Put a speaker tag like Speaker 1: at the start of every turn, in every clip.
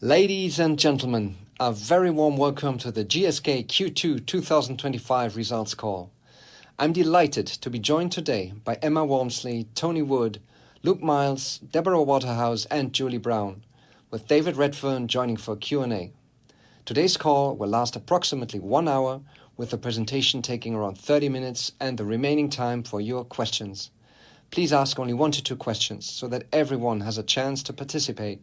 Speaker 1: Ladies and gentlemen, a very warm welcome to the GSK Q2 2025 Results Call. I'm delighted to be joined today by Emma Walmsley, Tony Wood, Luke Miels, Deborah Waterhouse, and Julie Brown, with David Redfern joining for Q&A. Today's call will last approximately one hour, with the presentation taking around 30 minutes and the remaining time for your questions. Please ask only one to two questions so that everyone has a chance to participate.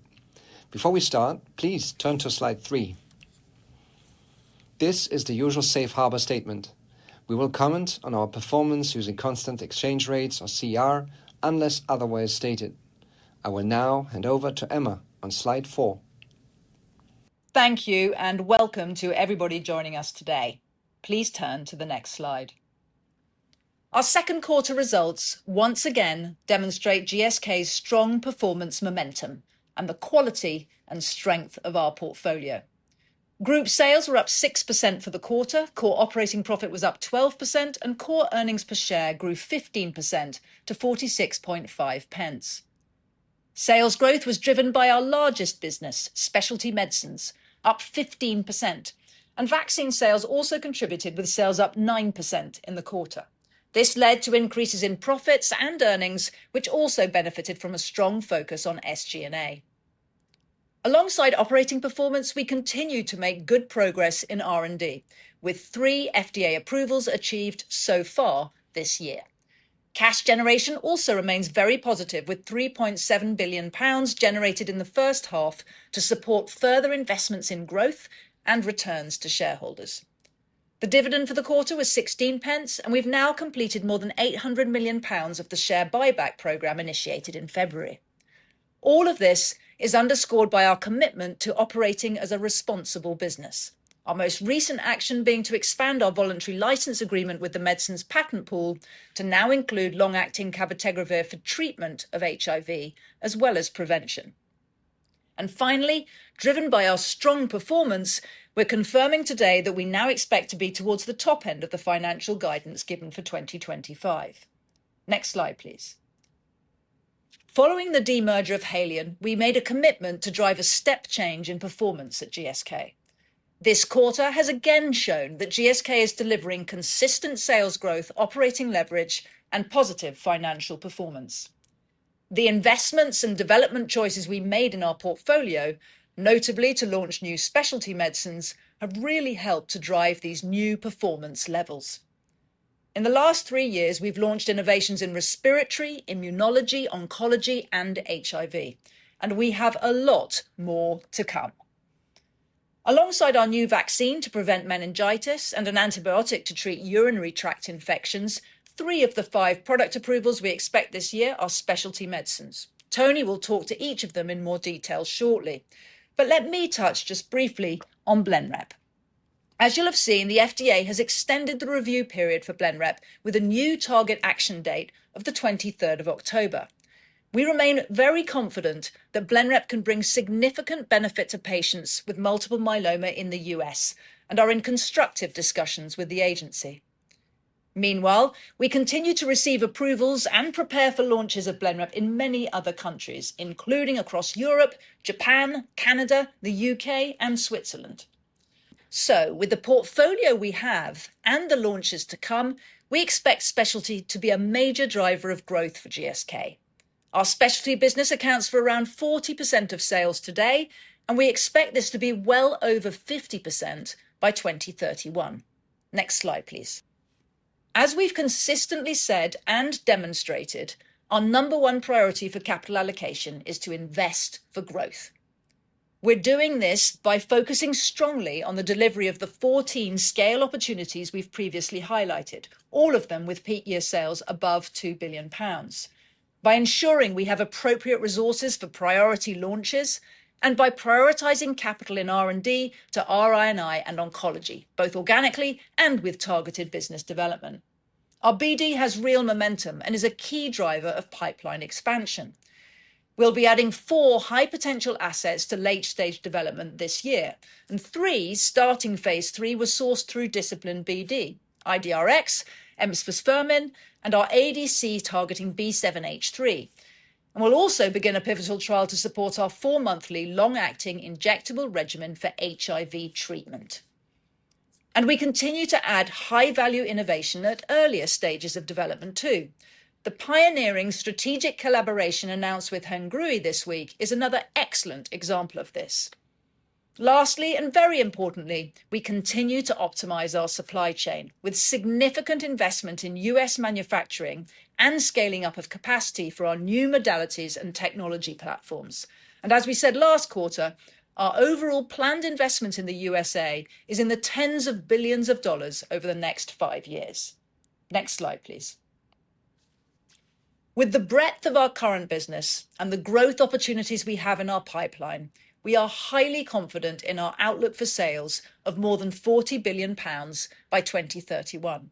Speaker 1: Before we start, please turn to slide 3. This is the usual safe harbor statement. We will comment on our performance using constant exchange rates or CER, unless otherwise stated. I will now hand over to Emma on slide 4.
Speaker 2: Thank you, and welcome to everybody joining us today. Please turn to the next slide. Our second quarter results once again demonstrate GSK's strong performance momentum and the quality and strength of our portfolio. Group sales were up 6% for the quarter, core operating profit was up 12%, and core earnings per share grew 15% to 0.465. Sales growth was driven by our largest business, specialty medicines, up 15%, and vaccine sales also contributed with sales up 9% in the quarter. This led to increases in profits and earnings, which also benefited from a strong focus on SG&A. Alongside operating performance, we continue to make good progress in R&D, with three FDA approvals achieved so far this year. Cash generation also remains very positive, with 3.7 billion pounds generated in the first half to support further investments in growth and returns to shareholders. The dividend for the quarter was 0.16, and we've now completed more than 800 million pounds of the share buyback program initiated in February. All of this is underscored by our commitment to operating as a responsible business, our most recent action being to expand our voluntary license agreement with the Medicines Patent Pool to now include long-acting cabotegravir for treatment of HIV, as well as prevention. Finally, driven by our strong performance, we're confirming today that we now expect to be towards the top end of the financial guidance given for 2025. Next slide, please. Following the demerger of Haleon, we made a commitment to drive a step change in performance at GSK. This quarter has again shown that GSK is delivering consistent sales growth, operating leverage, and positive financial performance. The investments and development choices we made in our portfolio, notably to launch new specialty medicines, have really helped to drive these new performance levels. In the last three years, we've launched innovations in respiratory, immunology, oncology, and HIV, and we have a lot more to come. Alongside our new vaccine to prevent meningitis and an antibiotic to treat urinary tract infections, three of the five product approvals we expect this year are specialty medicines. Tony will talk to each of them in more detail shortly, but let me touch just briefly on BLENREP. As you'll have seen, the FDA has extended the review period for BLENREP with a new target action date of the 23rd of October. We remain very confident that BLENREP can bring significant benefit to patients with multiple myeloma in the U.S. and are in constructive discussions with the agency. Meanwhile, we continue to receive approvals and prepare for launches of BLENREP in many other countries, including across Europe, Japan, Canada, the U.K., and Switzerland. With the portfolio we have and the launches to come, we expect specialty to be a major driver of growth for GSK. Our specialty business accounts for around 40% of sales today, and we expect this to be well over 50% by 2031. Next slide, please. As we've consistently said and demonstrated, our number one priority for capital allocation is to invest for growth. We're doing this by focusing strongly on the delivery of the 14 scale opportunities we've previously highlighted, all of them with peak year sales above 2 billion pounds, by ensuring we have appropriate resources for priority launches, and by prioritizing capital in R&D to RI&I and oncology, both organically and with targeted business development. Our BD has real momentum and is a key driver of pipeline expansion. We'll be adding four high-potential assets to late-stage development this year, and three starting phase III were sourced through disciplined BD- IDRx, efimosfermin, and our ADC targeting B7-H3. We'll also begin a pivotal trial to support our four-monthly long-acting injectable regimen for HIV treatment. We continue to add high-value innovation at earlier stages of development too. The pioneering strategic collaboration announced with Hengrui this week is another excellent example of this. Lastly, and very importantly, we continue to optimize our supply chain with significant investment in U.S. manufacturing and scaling up of capacity for our new modalities and technology platforms. As we said last quarter, our overall planned investment in the U.S.A. is in the tens of billions of dollars over the next five years. Next slide, please. With the breadth of our current business and the growth opportunities we have in our pipeline, we are highly confident in our outlook for sales of more than 40 billion pounds by 2031.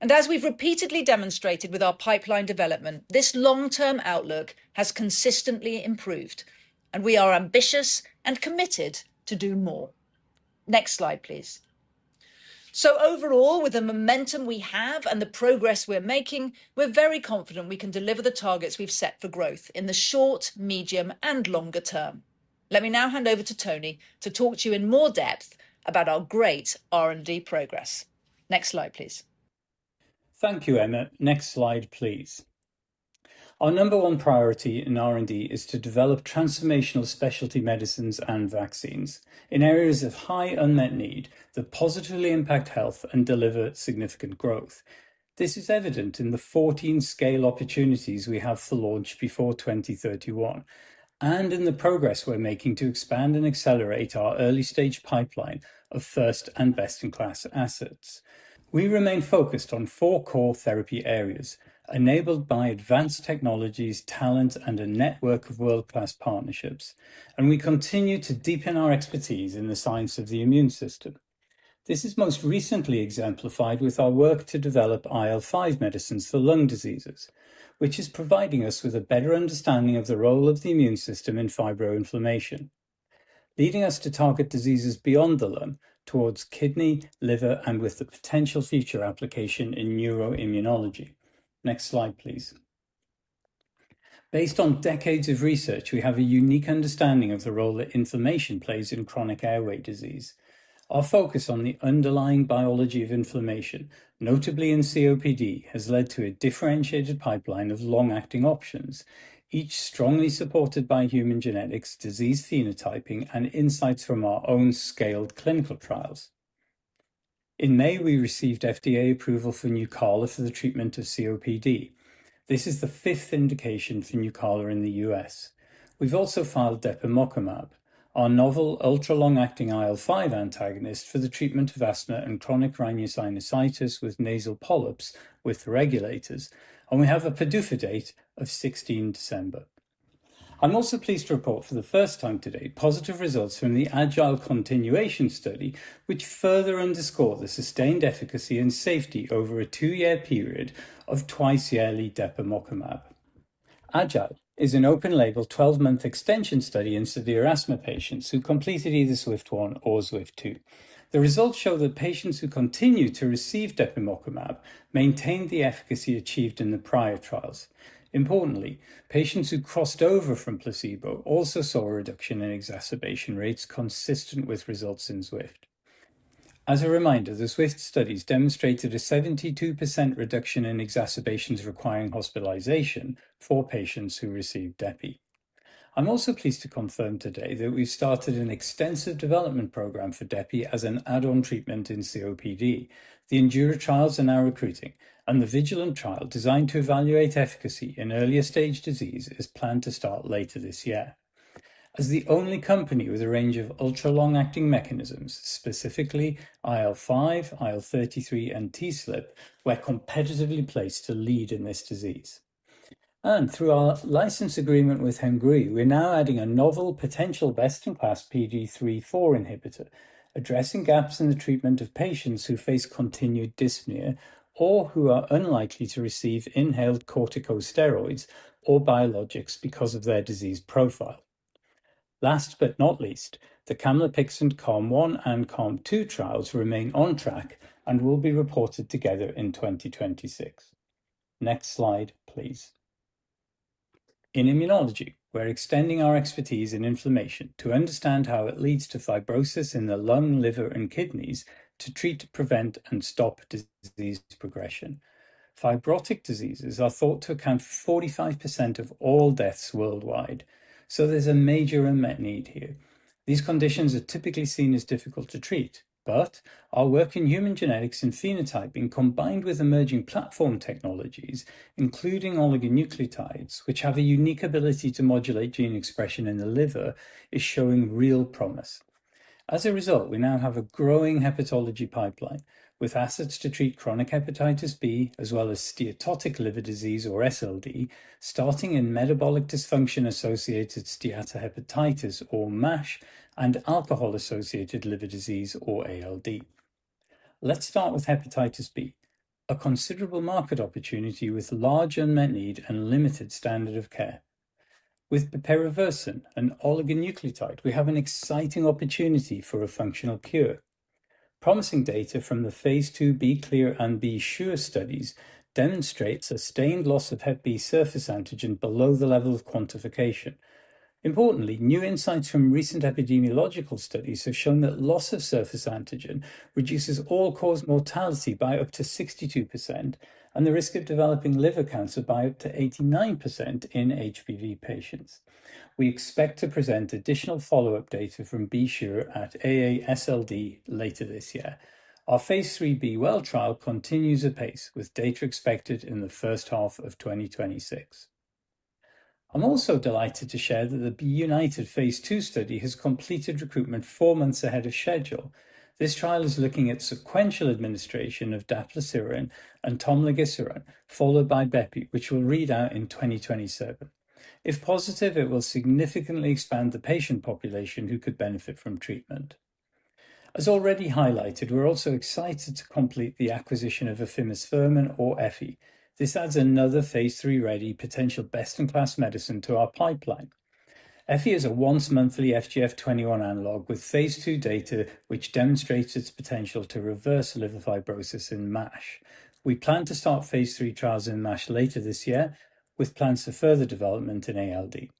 Speaker 2: As we've repeatedly demonstrated with our pipeline development, this long-term outlook has consistently improved, and we are ambitious and committed to do more. Next slide, please. Overall, with the momentum we have and the progress we're making, we're very confident we can deliver the targets we've set for growth in the short, medium, and longer term. Let me now hand over to Tony to talk to you in more depth about our great R&D progress. Next slide, please.
Speaker 3: Thank you, Emma. Next slide, please. Our number one priority in R&D is to develop transformational specialty medicines and vaccines in areas of high unmet need that positively impact health and deliver significant growth. This is evident in the 14 scale opportunities we have for launch before 2031 and in the progress we're making to expand and accelerate our early-stage pipeline of first and best-in-class assets. We remain focused on four core therapy areas enabled by advanced technologies, talent, and a network of world-class partnerships, and we continue to deepen our expertise in the science of the immune system. This is most recently exemplified with our work to develop IL-5 medicines for lung diseases, which is providing us with a better understanding of the role of the immune system in fibroinflammation, leading us to target diseases beyond the lung towards kidney, liver, and with the potential future application in neuroimmunology. Next slide, please. Based on decades of research, we have a unique understanding of the role that inflammation plays in chronic airway disease. Our focus on the underlying biology of inflammation, notably in COPD, has led to a differentiated pipeline of long-acting options, each strongly supported by human genetics, disease phenotyping, and insights from our own scaled clinical trials. In May, we received FDA approval for Nucala for the treatment of COPD. This is the fifth indication for Nucala in the US. We've also filed Depemokimab, our novel ultra-long-acting IL-5 antagonist for the treatment of asthma and chronic rhinosinusitis with nasal polyps with regulators, and we have a PDUFA date of 16 December. I'm also pleased to report for the first time today positive results from the AGILE continuation study, which further underscored the sustained efficacy and safety over a two-year period of twice-yearly Depemokimab. AGILE is an open-label 12-month extension study in severe asthma patients who completed either SWIFT-1 or SWIFT-2. The results show that patients who continue to receive Depemokimab maintained the efficacy achieved in the prior trials. Importantly, patients who crossed over from placebo also saw a reduction in exacerbation rates consistent with results in SWIFT. As a reminder, the SWIFT studies demonstrated a 72% reduction in exacerbations requiring hospitalization for patients who received Depemokimab. I'm also pleased to confirm today that we've started an extensive development program for Depemokimab as an add-on treatment in COPD. The ENDURA trials are now recruiting, and the VIGILANT trial designed to evaluate efficacy in earlier-stage disease is planned to start later this year. As the only company with a range of ultra-long-acting mechanisms, specifically IL-5, IL-33, and PDUFA, we're competitively placed to lead in this disease. Through our license agreement with Hengrui, we're now adding a novel potential best-in-class PDE3/4 inhibitor, addressing gaps in the treatment of patients who face continued dyspnea or who are unlikely to receive inhaled corticosteroids or biologics because of their disease profile. Last but not least, the Camlipixant and CALM-1 and CALM-2 trials remain on track and will be reported together in 2026. Next slide, please. In immunology, we're extending our expertise in inflammation to understand how it leads to fibrosis in the lung, liver, and kidneys to treat, prevent, and stop disease progression. Fibrotic diseases are thought to account for 45% of all deaths worldwide, so there's a major unmet need here. These conditions are typically seen as difficult to treat, but our work in human genetics and phenotyping, combined with emerging platform technologies, including oligonucleotides, which have a unique ability to modulate gene expression in the liver, is showing real promise. As a result, we now have a growing hepatology pipeline with assets to treat chronic hepatitis B, as well as steatotic liver disease or SLD, starting in metabolic dysfunction-associated steatohepatitis or MASH, and alcohol-associated liver disease or ALD. Let's start with hepatitis B, a considerable market opportunity with large unmet need and limited standard of care. With piperoviricin, an oligonucleotide, we have an exciting opportunity for a functional cure. Promising data from the phase II B-CLEAR and B-SURE studies demonstrate sustained loss of hep B surface antigen below the level of quantification. Importantly, new insights from recent epidemiological studies have shown that loss of surface antigen reduces all-cause mortality by up to 62% and the risk of developing liver cancer by up to 89% in HBV patients. We expect to present additional follow-up data from B-SURE at AASLD later this year. Our phase III B-WELL trial continues apace with data expected in the first half of 2026. I'm also delighted to share that the B UNITED phase II study has completed recruitment four months ahead of schedule. This trial is looking at sequential administration of Daplusiran and Tomligisiran, followed by bepi, which will read out in 2027. If positive, it will significantly expand the patient population who could benefit from treatment. As already highlighted, we're also excited to complete the acquisition of efimosfermin, or EFI. This adds another phase III ready potential best-in-class medicine to our pipeline. EFI is a once-monthly FGF21 analog with phase II data, which demonstrates its potential to reverse liver fibrosis in MASH. We plan to start phase III trials in MASH later this year, with plans for further development in ALD.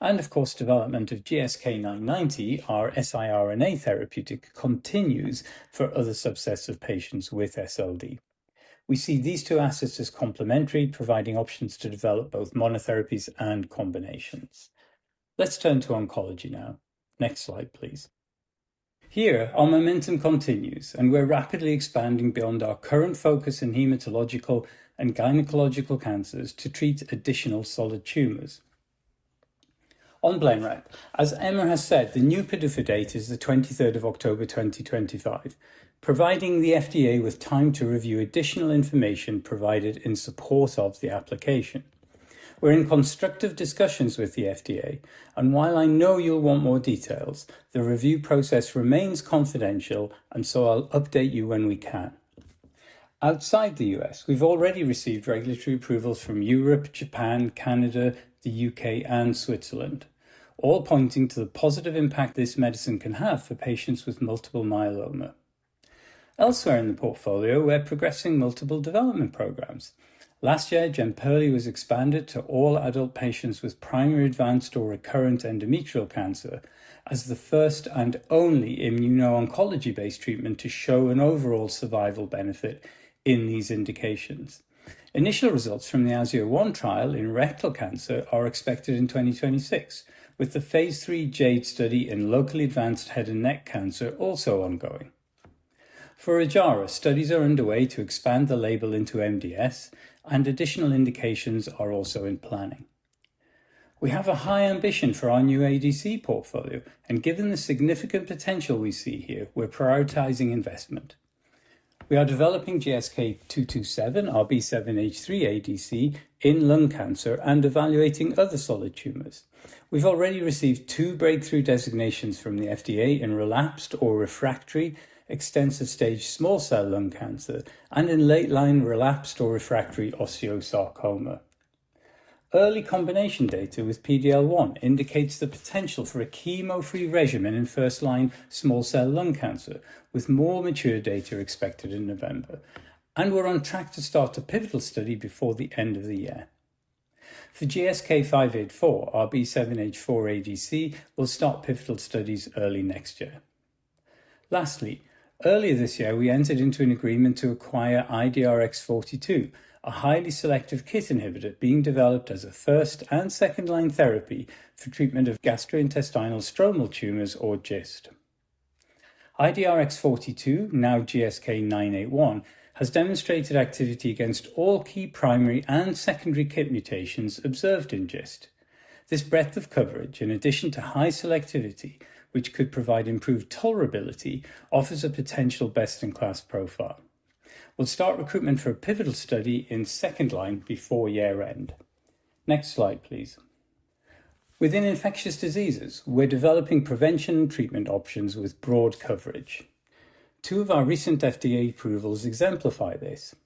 Speaker 3: Of course, development of GSK'990, our siRNA therapeutic, continues for other subsets of patients with SLD. We see these two assets as complementary, providing options to develop both monotherapies and combinations. Let's turn to oncology now. Next slide, please. Here, our momentum continues, and we're rapidly expanding beyond our current focus in hematological and gynecological cancers to treat additional solid tumors. On BLENREP, as Emma has said, the new PDUFA date is the 23rd of October 2025, providing the FDA with time to review additional information provided in support of the application. We're in constructive discussions with the FDA, and while I know you'll want more details, the review process remains confidential, and I'll update you when we can. Outside the U.S., we've already received regulatory approvals from Europe, Japan, Canada, the U.K., and Switzerland, all pointing to the positive impact this medicine can have for patients with multiple myeloma. Elsewhere in the portfolio, we're progressing multiple development programs. Last year, JEMPERLI was expanded to all adult patients with primary advanced or recurrent endometrial cancer as the first and only immuno-oncology-based treatment to show an overall survival benefit in these indications. Initial results from the AZURE 1 trial in rectal cancer are expected in 2026, with the phase III JADE study in locally advanced head and neck cancer also ongoing. For OJJAARA, studies are underway to expand the label into MDS, and additional indications are also in planning. We have a high ambition for our new ADC portfolio, and given the significant potential we see here, we're prioritizing investment. We are developing GSK227, our B7-H3 ADC in lung cancer, and evaluating other solid tumors. We have already received two breakthrough designations from the FDA in relapsed or refractory extensive stage small cell lung cancer and in late-line relapsed or refractory osteosarcoma. Early combination data with PDL1 indicates the potential for a chemo-free regimen in first-line small cell lung cancer, with more mature data expected in November. We are on track to start a pivotal study before the end of the year. For GSK584, our B7-H4 ADC will start pivotal studies early next year. Lastly, earlier this year, we entered into an agreement to acquire IDRx42, a highly selective KIT inhibitor being developed as a first and second-line therapy for treatment of gastrointestinal stromal tumors, or GIST. IDRx42, now GSK981, has demonstrated activity against all key primary and secondary KIT mutations observed in GIST. This breadth of coverage, in addition to high selectivity, which could provide improved tolerability, offers a potential best-in-class profile. We will start recruitment for a pivotal study in second line before year-end. Next slide, please. Within infectious diseases, we are developing prevention and treatment options with broad coverage. Two of our recent FDA approvals exemplify this.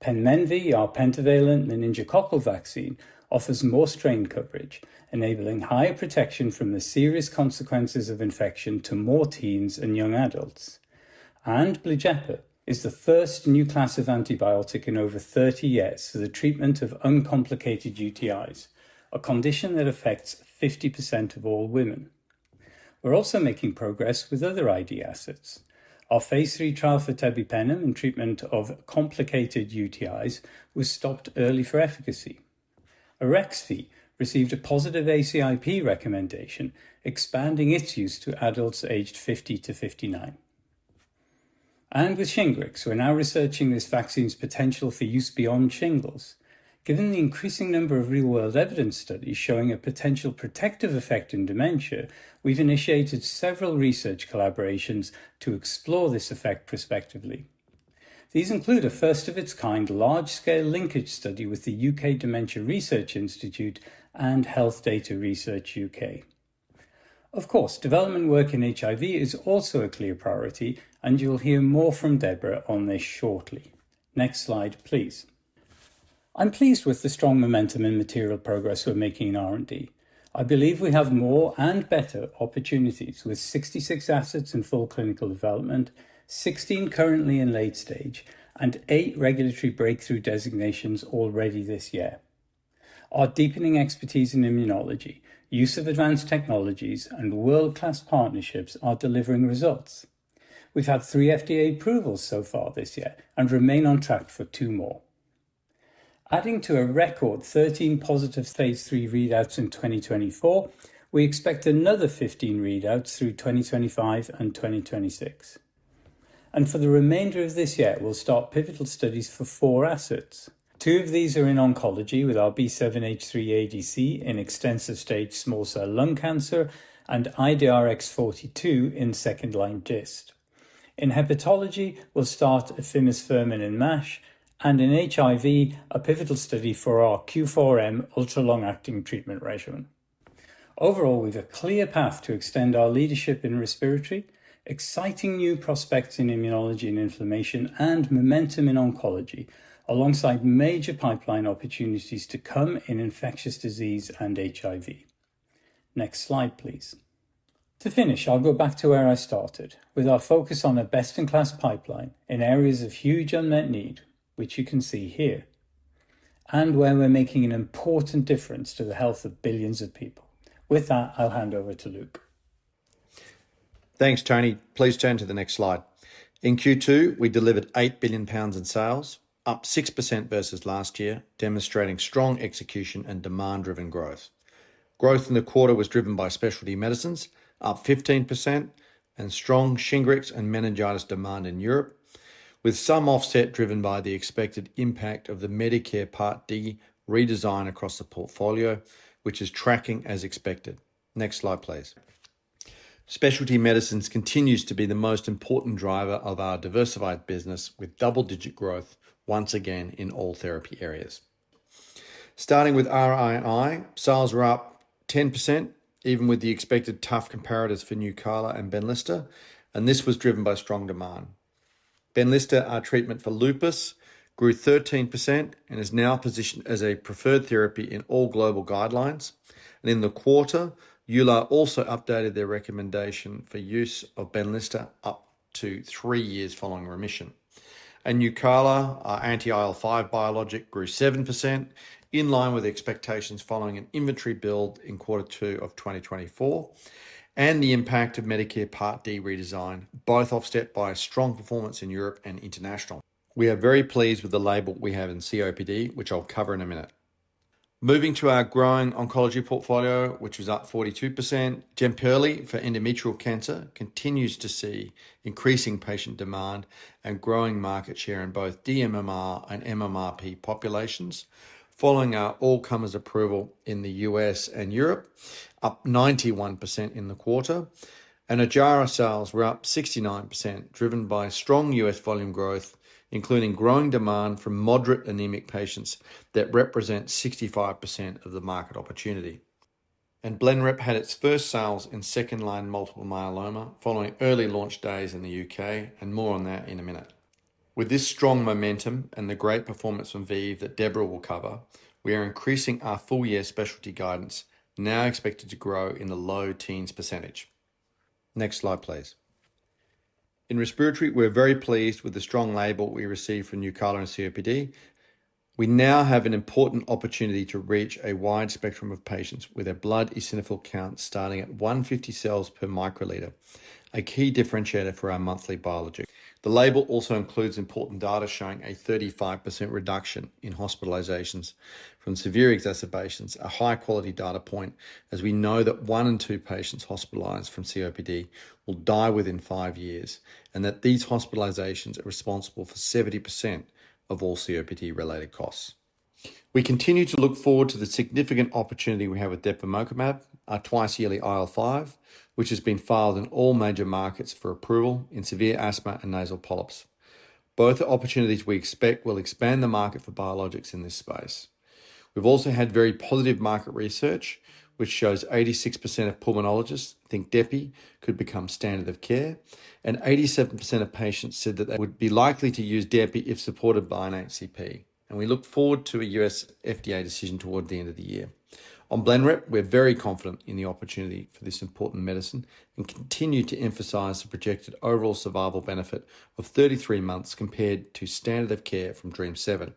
Speaker 3: PENMENVY, our pentavalent meningococcal vaccine, offers more strain coverage, enabling higher protection from the serious consequences of infection to more teens and young adults. Blujepa is the first new class of antibiotic in over 30 years for the treatment of uncomplicated UTIs, a condition that affects 50% of all women. We are also making progress with other ID assets. Our phase III trial for tebipenem in treatment of complicated UTIs was stopped early for efficacy. Arexvy received a positive ACIP recommendation, expanding its use to adults aged 50 to 59. With Shingrix, we are now researching this vaccine's potential for use beyond shingles. Given the increasing number of real-world evidence studies showing a potential protective effect in dementia, we have initiated several research collaborations to explore this effect prospectively. These include a first-of-its-kind large-scale linkage study with the UK Dementia Research Institute and Health Data Research UK. Of course, development work in HIV is also a clear priority, and you will hear more from Deborah on this shortly. Next slide, please. I am pleased with the strong momentum and material progress we are making in R&D. I believe we have more and better opportunities with 66 assets in full clinical development, 16 currently in late stage, and eight regulatory breakthrough designations already this year. Our deepening expertise in immunology, use of advanced technologies, and world-class partnerships are delivering results. We've had three FDA approvals so far this year and remain on track for two more. Adding to a record 13 positive phase III readouts in 2024, we expect another 15 readouts through 2025 and 2026. For the remainder of this year, we'll start pivotal studies for four assets. Two of these are in oncology with our B7-H3 ADC in extensive stage small cell lung cancer and IDRx42 in second-line GIST. In hepatology, we'll start efimosfermin in MASH, and in HIV, a pivotal study for our Q4M ultra-long-acting treatment regimen. Overall, we've a clear path to extend our leadership in respiratory, exciting new prospects in immunology and inflammation, and momentum in oncology, alongside major pipeline opportunities to come in infectious disease and HIV. Next slide, please. To finish, I'll go back to where I started with our focus on a best-in-class pipeline in areas of huge unmet need, which you can see here. Where we're making an important difference to the health of billions of people. With that, I'll hand over to Luke.
Speaker 4: Thanks, Tony. Please turn to the next slide. In Q2, we delivered 8 billion pounds in sales, up 6% versus last year, demonstrating strong execution and demand-driven growth. Growth in the quarter was driven by specialty medicines, up 15%, and strong Shingrix and meningitis demand in Europe, with some offset driven by the expected impact of the Medicare Part D redesign across the portfolio, which is tracking as expected. Next slide, please. Specialty medicines continues to be the most important driver of our diversified business, with double-digit growth once again in all therapy areas.
Speaker 1: Starting with RI&I, sales were up 10%, even with the expected tough comparators for Nucala and BENLYSTA, and this was driven by strong demand. BENLYSTA, our treatment for lupus, grew 13% and is now positioned as a preferred therapy in all global guidelines. In the quarter, EULAR also updated their recommendation for use of BENLYSTA up to three years following remission. Nucala, our anti-IL-5 biologic, grew 7%, in line with expectations following an inventory build in quarter two of 2024, and the impact of Medicare Part D redesign, both offset by strong performance in Europe and international. We are very pleased with the label we have in COPD, which I'll cover in a minute. Moving to our growing oncology portfolio, which was up 42%, JEMPERLI for endometrial cancer continues to see increasing patient demand and growing market share in both dMMR and MMRp populations, following our all-comers approval in the U.S. and Europe, up 91% in the quarter. OJJAARA sales were up 69%, driven by strong U.S. volume growth, including growing demand from moderate anemic patients that represents 65% of the market opportunity. BLENREP had its first sales in second-line multiple myeloma, following early launch days in the U.K., and more on that in a minute. With this strong momentum and the great performance from ViiV that Deborah will cover, we are increasing our full-year specialty guidance, now expected to grow in the low teens %. Next slide, please. In respiratory, we're very pleased with the strong label we received for Nucala in COPD. We now have an important opportunity to reach a wide spectrum of patients with a blood eosinophil count starting at 150 cells per μl, a key differentiator for our monthly biologic. The label also includes important data showing a 35% reduction in hospitalizations from severe exacerbations, a high-quality data point, as we know that one in two patients hospitalized from COPD will die within five years, and that these hospitalizations are responsible for 70% of all COPD-related costs. We continue to look forward to the significant opportunity we have with Depemokimab, our twice-yearly IL-5, which has been filed in all major markets for approval in severe asthma and nasal polyps. Both opportunities we expect will expand the market for biologics in this space. We've also had very positive market research, which shows 86% of pulmonologists think Depemokimab could become standard of care, and 87% of patients said that they would be likely to use Depemokimab if supported by an ACIP. We look forward to a U.S. FDA decision toward the end of the year. On BLENREP, we're very confident in the opportunity for this important medicine and continue to emphasize the projected overall survival benefit of 33 months compared to standard of care from DREAMM-7.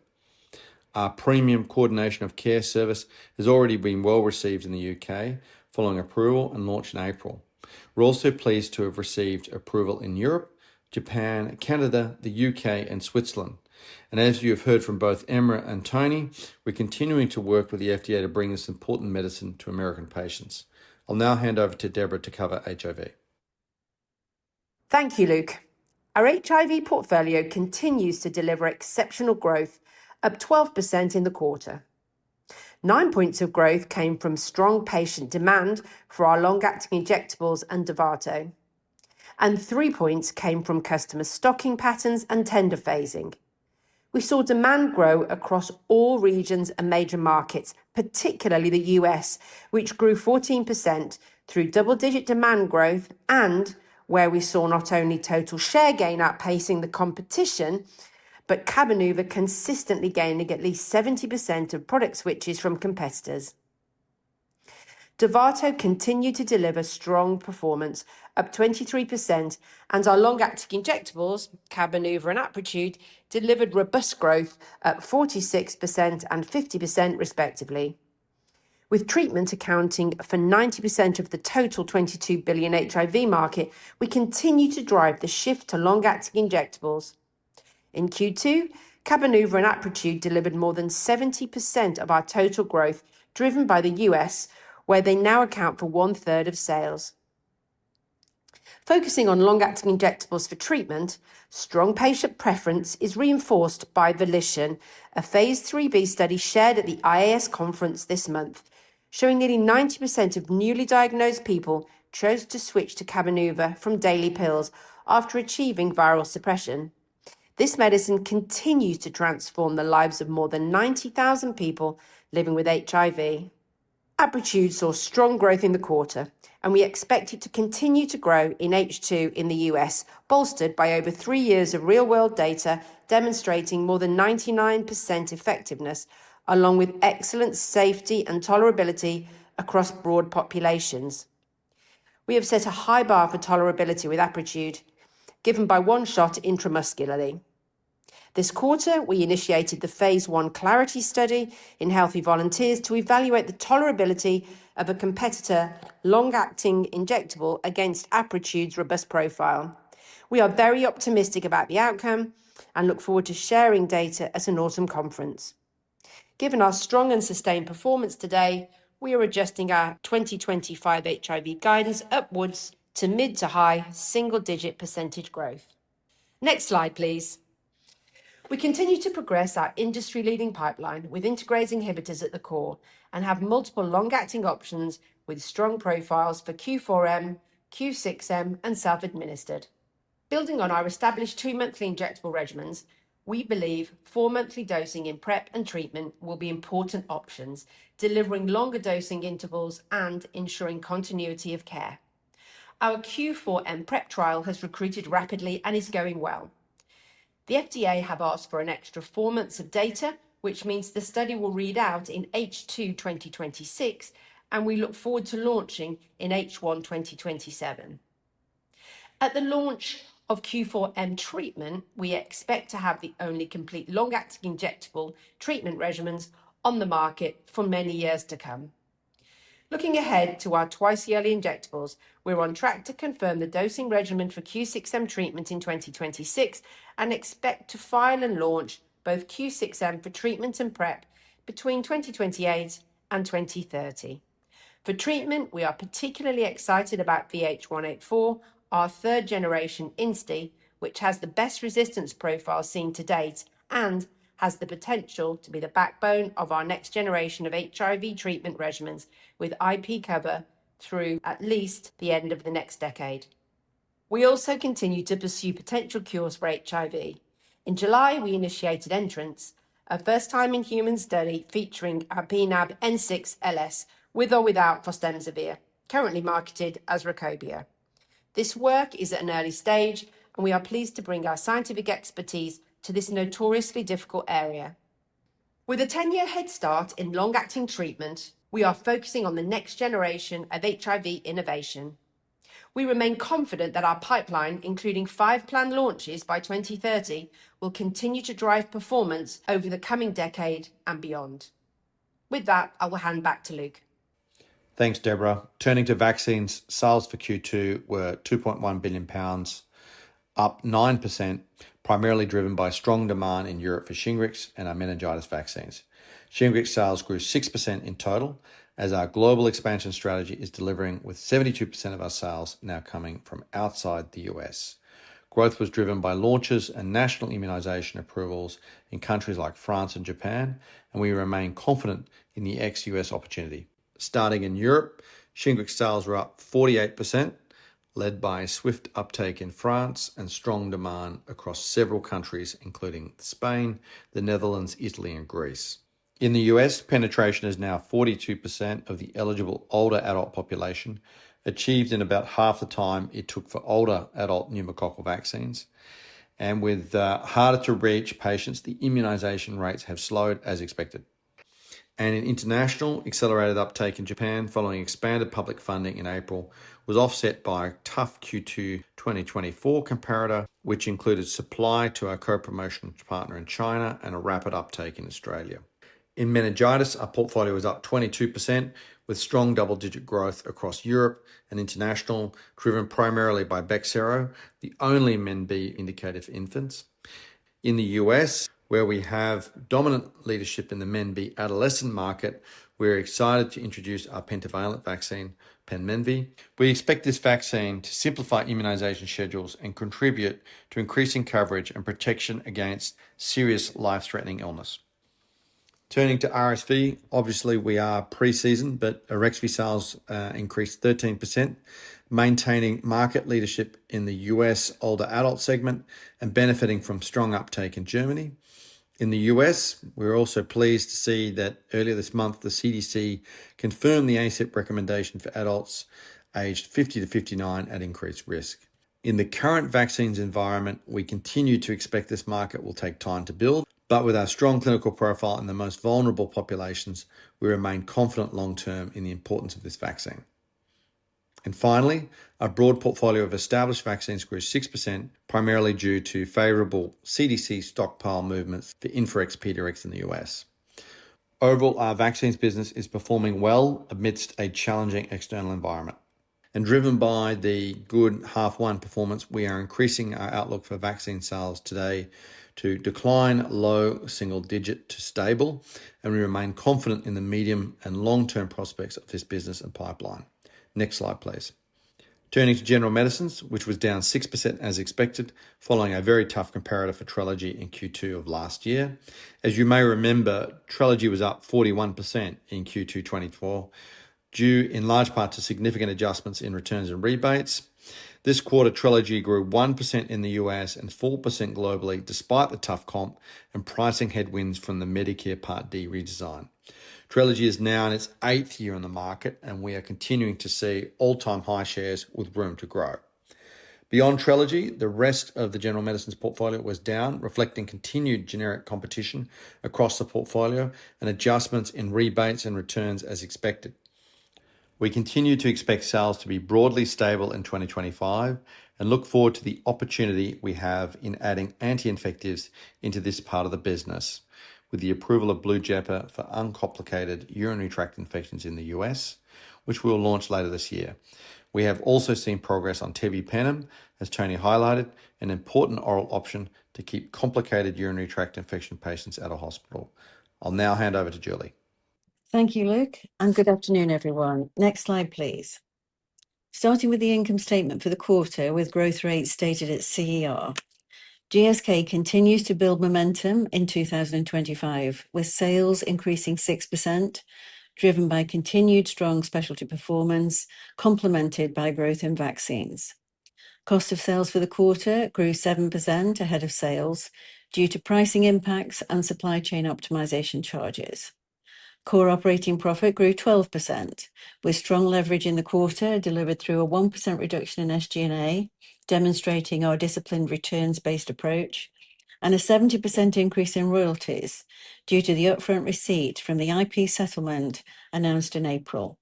Speaker 1: Our premium coordination of care service has already been well received in the U.K., following approval and launch in April. We're also pleased to have received approval in Europe, Japan, Canada, the U.K., and Switzerland. As you have heard from both Emma and Tony, we're continuing to work with the FDA to bring this important medicine to American patients. I'll now hand over to Deborah to cover HIV.
Speaker 5: Thank you, Luke. Our HIV portfolio continues to deliver exceptional growth, up 12% in the quarter. Nine points of growth came from strong patient demand for our long-acting injectables and DOVATO. Three points came from customer stocking patterns and tender phasing. We saw demand grow across all regions and major markets, particularly the U.S., which grew 14% through double-digit demand growth, and where we saw not only total share gain outpacing the competition, but CABENUVA consistently gaining at least 70% of product switches from competitors. DOVATO continued to deliver strong performance, up 23%, and our long-acting injectables, CABENUVA and Apretude, delivered robust growth at 46% and 50%, respectively. With treatment accounting for 90% of the total $22 billion HIV market, we continue to drive the shift to long-acting injectables. In Q2, CABENUVA and Apretude delivered more than 70% of our total growth, driven by the U.S., where they now account for one-third of sales. Focusing on long-acting injectables for treatment, strong patient preference is reinforced by Volition, a phase IIIB study shared at the IAS conference this month, showing nearly 90% of newly diagnosed people chose to switch to CABENUVA from daily pills after achieving viral suppression. This medicine continues to transform the lives of more than 90,000 people living with HIV. Apretude saw strong growth in the quarter, and we expect it to continue to grow in H2 in the U.S., bolstered by over three years of real-world data demonstrating more than 99% effectiveness, along with excellent safety and tolerability across broad populations. We have set a high bar for tolerability with Apretude, given by one shot intramuscularly. This quarter, we initiated the phase one Clarity study in healthy volunteers to evaluate the tolerability of a competitor's long-acting injectable against Apretude's robust profile. We are very optimistic about the outcome and look forward to sharing data at an autumn conference. Given our strong and sustained performance today, we are adjusting our 2025 HIV guidance upwards to mid to high single-digit % growth. Next slide, please. We continue to progress our industry-leading pipeline with integrated inhibitors at the core and have multiple long-acting options with strong profiles for Q4M, Q6M, and self-administered. Building on our established two-monthly injectable regimens, we believe four-monthly dosing in PrEP and treatment will be important options, delivering longer dosing intervals and ensuring continuity of care. Our Q4M PrEP trial has recruited rapidly and is going well. The FDA has asked for an extra four months of data, which means the study will read out in H2 2026, and we look forward to launching in H1 2027. At the launch of Q4M treatment, we expect to have the only complete long-acting injectable treatment regimens on the market for many years to come. Looking ahead to our twice-yearly injectables, we're on track to confirm the dosing regimen for Q6M treatment in 2026 and expect to file and launch both Q6M for treatment and PrEP between 2028 and 2030. For treatment, we are particularly excited about VH184, our third-generation INSTI, which has the best resistance profile seen to date and has the potential to be the backbone of our next generation of HIV treatment regimens with IP cover through at least the end of the next decade. We also continue to pursue potential cures for HIV. In July, we initiated ENTRANCE, a first-time in-human study featuring a bNAb N6LS with or without fostemsavir, currently marketed as Rukobia. This work is at an early stage, and we are pleased to bring our scientific expertise to this notoriously difficult area. With a 10-year head start in long-acting treatment, we are focusing on the next generation of HIV innovation. We remain confident that our pipeline, including five planned launches by 2030, will continue to drive performance over the coming decade and beyond. With that, I will hand back to Luke.
Speaker 4: Thanks, Deborah. Turning to vaccines, sales for Q2 were 2.1 billion pounds, up 9%, primarily driven by strong demand in Europe for Shingrix and our meningitis vaccines. Shingrix sales grew 6% in total, as our global expansion strategy is delivering with 72% of our sales now coming from outside the US. Growth was driven by launches and national immunization approvals in countries like France and Japan, and we remain confident in the ex-US opportunity. Starting in Europe, Shingrix sales were up 48%, led by swift uptake in France and strong demand across several countries, including Spain, the Netherlands, Italy, and Greece. In the U.S., penetration is now 42% of the eligible older adult population, achieved in about half the time it took for older adult pneumococcal vaccines. With harder-to-reach patients, the immunization rates have slowed, as expected. In international, accelerated uptake in Japan, following expanded public funding in April, was offset by a tough Q2 2024 comparator, which included supply to our co-promotion partner in China and a rapid uptake in Australia. In meningitis, our portfolio was up 22%, with strong double-digit growth across Europe and international, driven primarily by Bexsero, the only MenB indicator for infants. In the U.S., where we have dominant leadership in the MenB adolescent market, we're excited to introduce our pentavalent vaccine, PENMENVY. We expect this vaccine to simplify immunization schedules and contribute to increasing coverage and protection against serious life-threatening illness. Turning to RSV, obviously we are pre-season, but Arexvy sales increased 13%, maintaining market leadership in the U.S. older adult segment and benefiting from strong uptake in Germany. In the U.S., we're also pleased to see that earlier this month, the CDC confirmed the ACIP recommendation for adults aged 50 to 59 at increased risk. In the current vaccines environment, we continue to expect this market will take time to build, but with our strong clinical profile and the most vulnerable populations, we remain confident long-term in the importance of this vaccine. Finally, our broad portfolio of established vaccines grew 6%, primarily due to favorable CDC stockpile movements for Infanrix, Pediarix in the U.S.. Overall, our vaccines business is performing well amidst a challenging external environment. Driven by the good half-one performance, we are increasing our outlook for vaccine sales today to decline, low single-digit to stable, and we remain confident in the medium and long-term prospects of this business and pipeline. Next slide, please. Turning to general medicines, which was down 6% as expected, following a very tough comparator for Trelegy in Q2 of last year. As you may remember, Trelegy was up 41% in Q2 2023, due in large part to significant adjustments in returns and rebates. This quarter, Trelegy grew 1% in the U.S. and 4% globally, despite the tough comp and pricing headwinds from the Medicare Part D redesign. Trelegy is now in its eighth year on the market, and we are continuing to see all-time high shares with room to grow. Beyond Trelegy, the rest of the general medicines portfolio was down, reflecting continued generic competition across the portfolio and adjustments in rebates and returns as expected. We continue to expect sales to be broadly stable in 2025 and look forward to the opportunity we have in adding anti-infectives into this part of the business, with the approval of Blujepa for uncomplicated urinary tract infections in the US, which we'll launch later this year. We have also seen progress on Tebipenem, as Tony highlighted, an important oral option to keep complicated urinary tract infection patients out of hospital. I'll now hand over to Julie.
Speaker 6: Thank you, Luke, and good afternoon, everyone. Next slide, please. Starting with the income statement for the quarter, with growth rates stated at CER. GSK continues to build momentum in 2025, with sales increasing 6%, driven by continued strong specialty performance, complemented by growth in vaccines. Cost of sales for the quarter grew 7% ahead of sales due to pricing impacts and supply chain optimization charges. Core operating profit grew 12%, with strong leverage in the quarter delivered through a 1% reduction in SG&A, demonstrating our disciplined returns-based approach, and a 70% increase in royalties due to the upfront receipt from the IP settlement announced in April.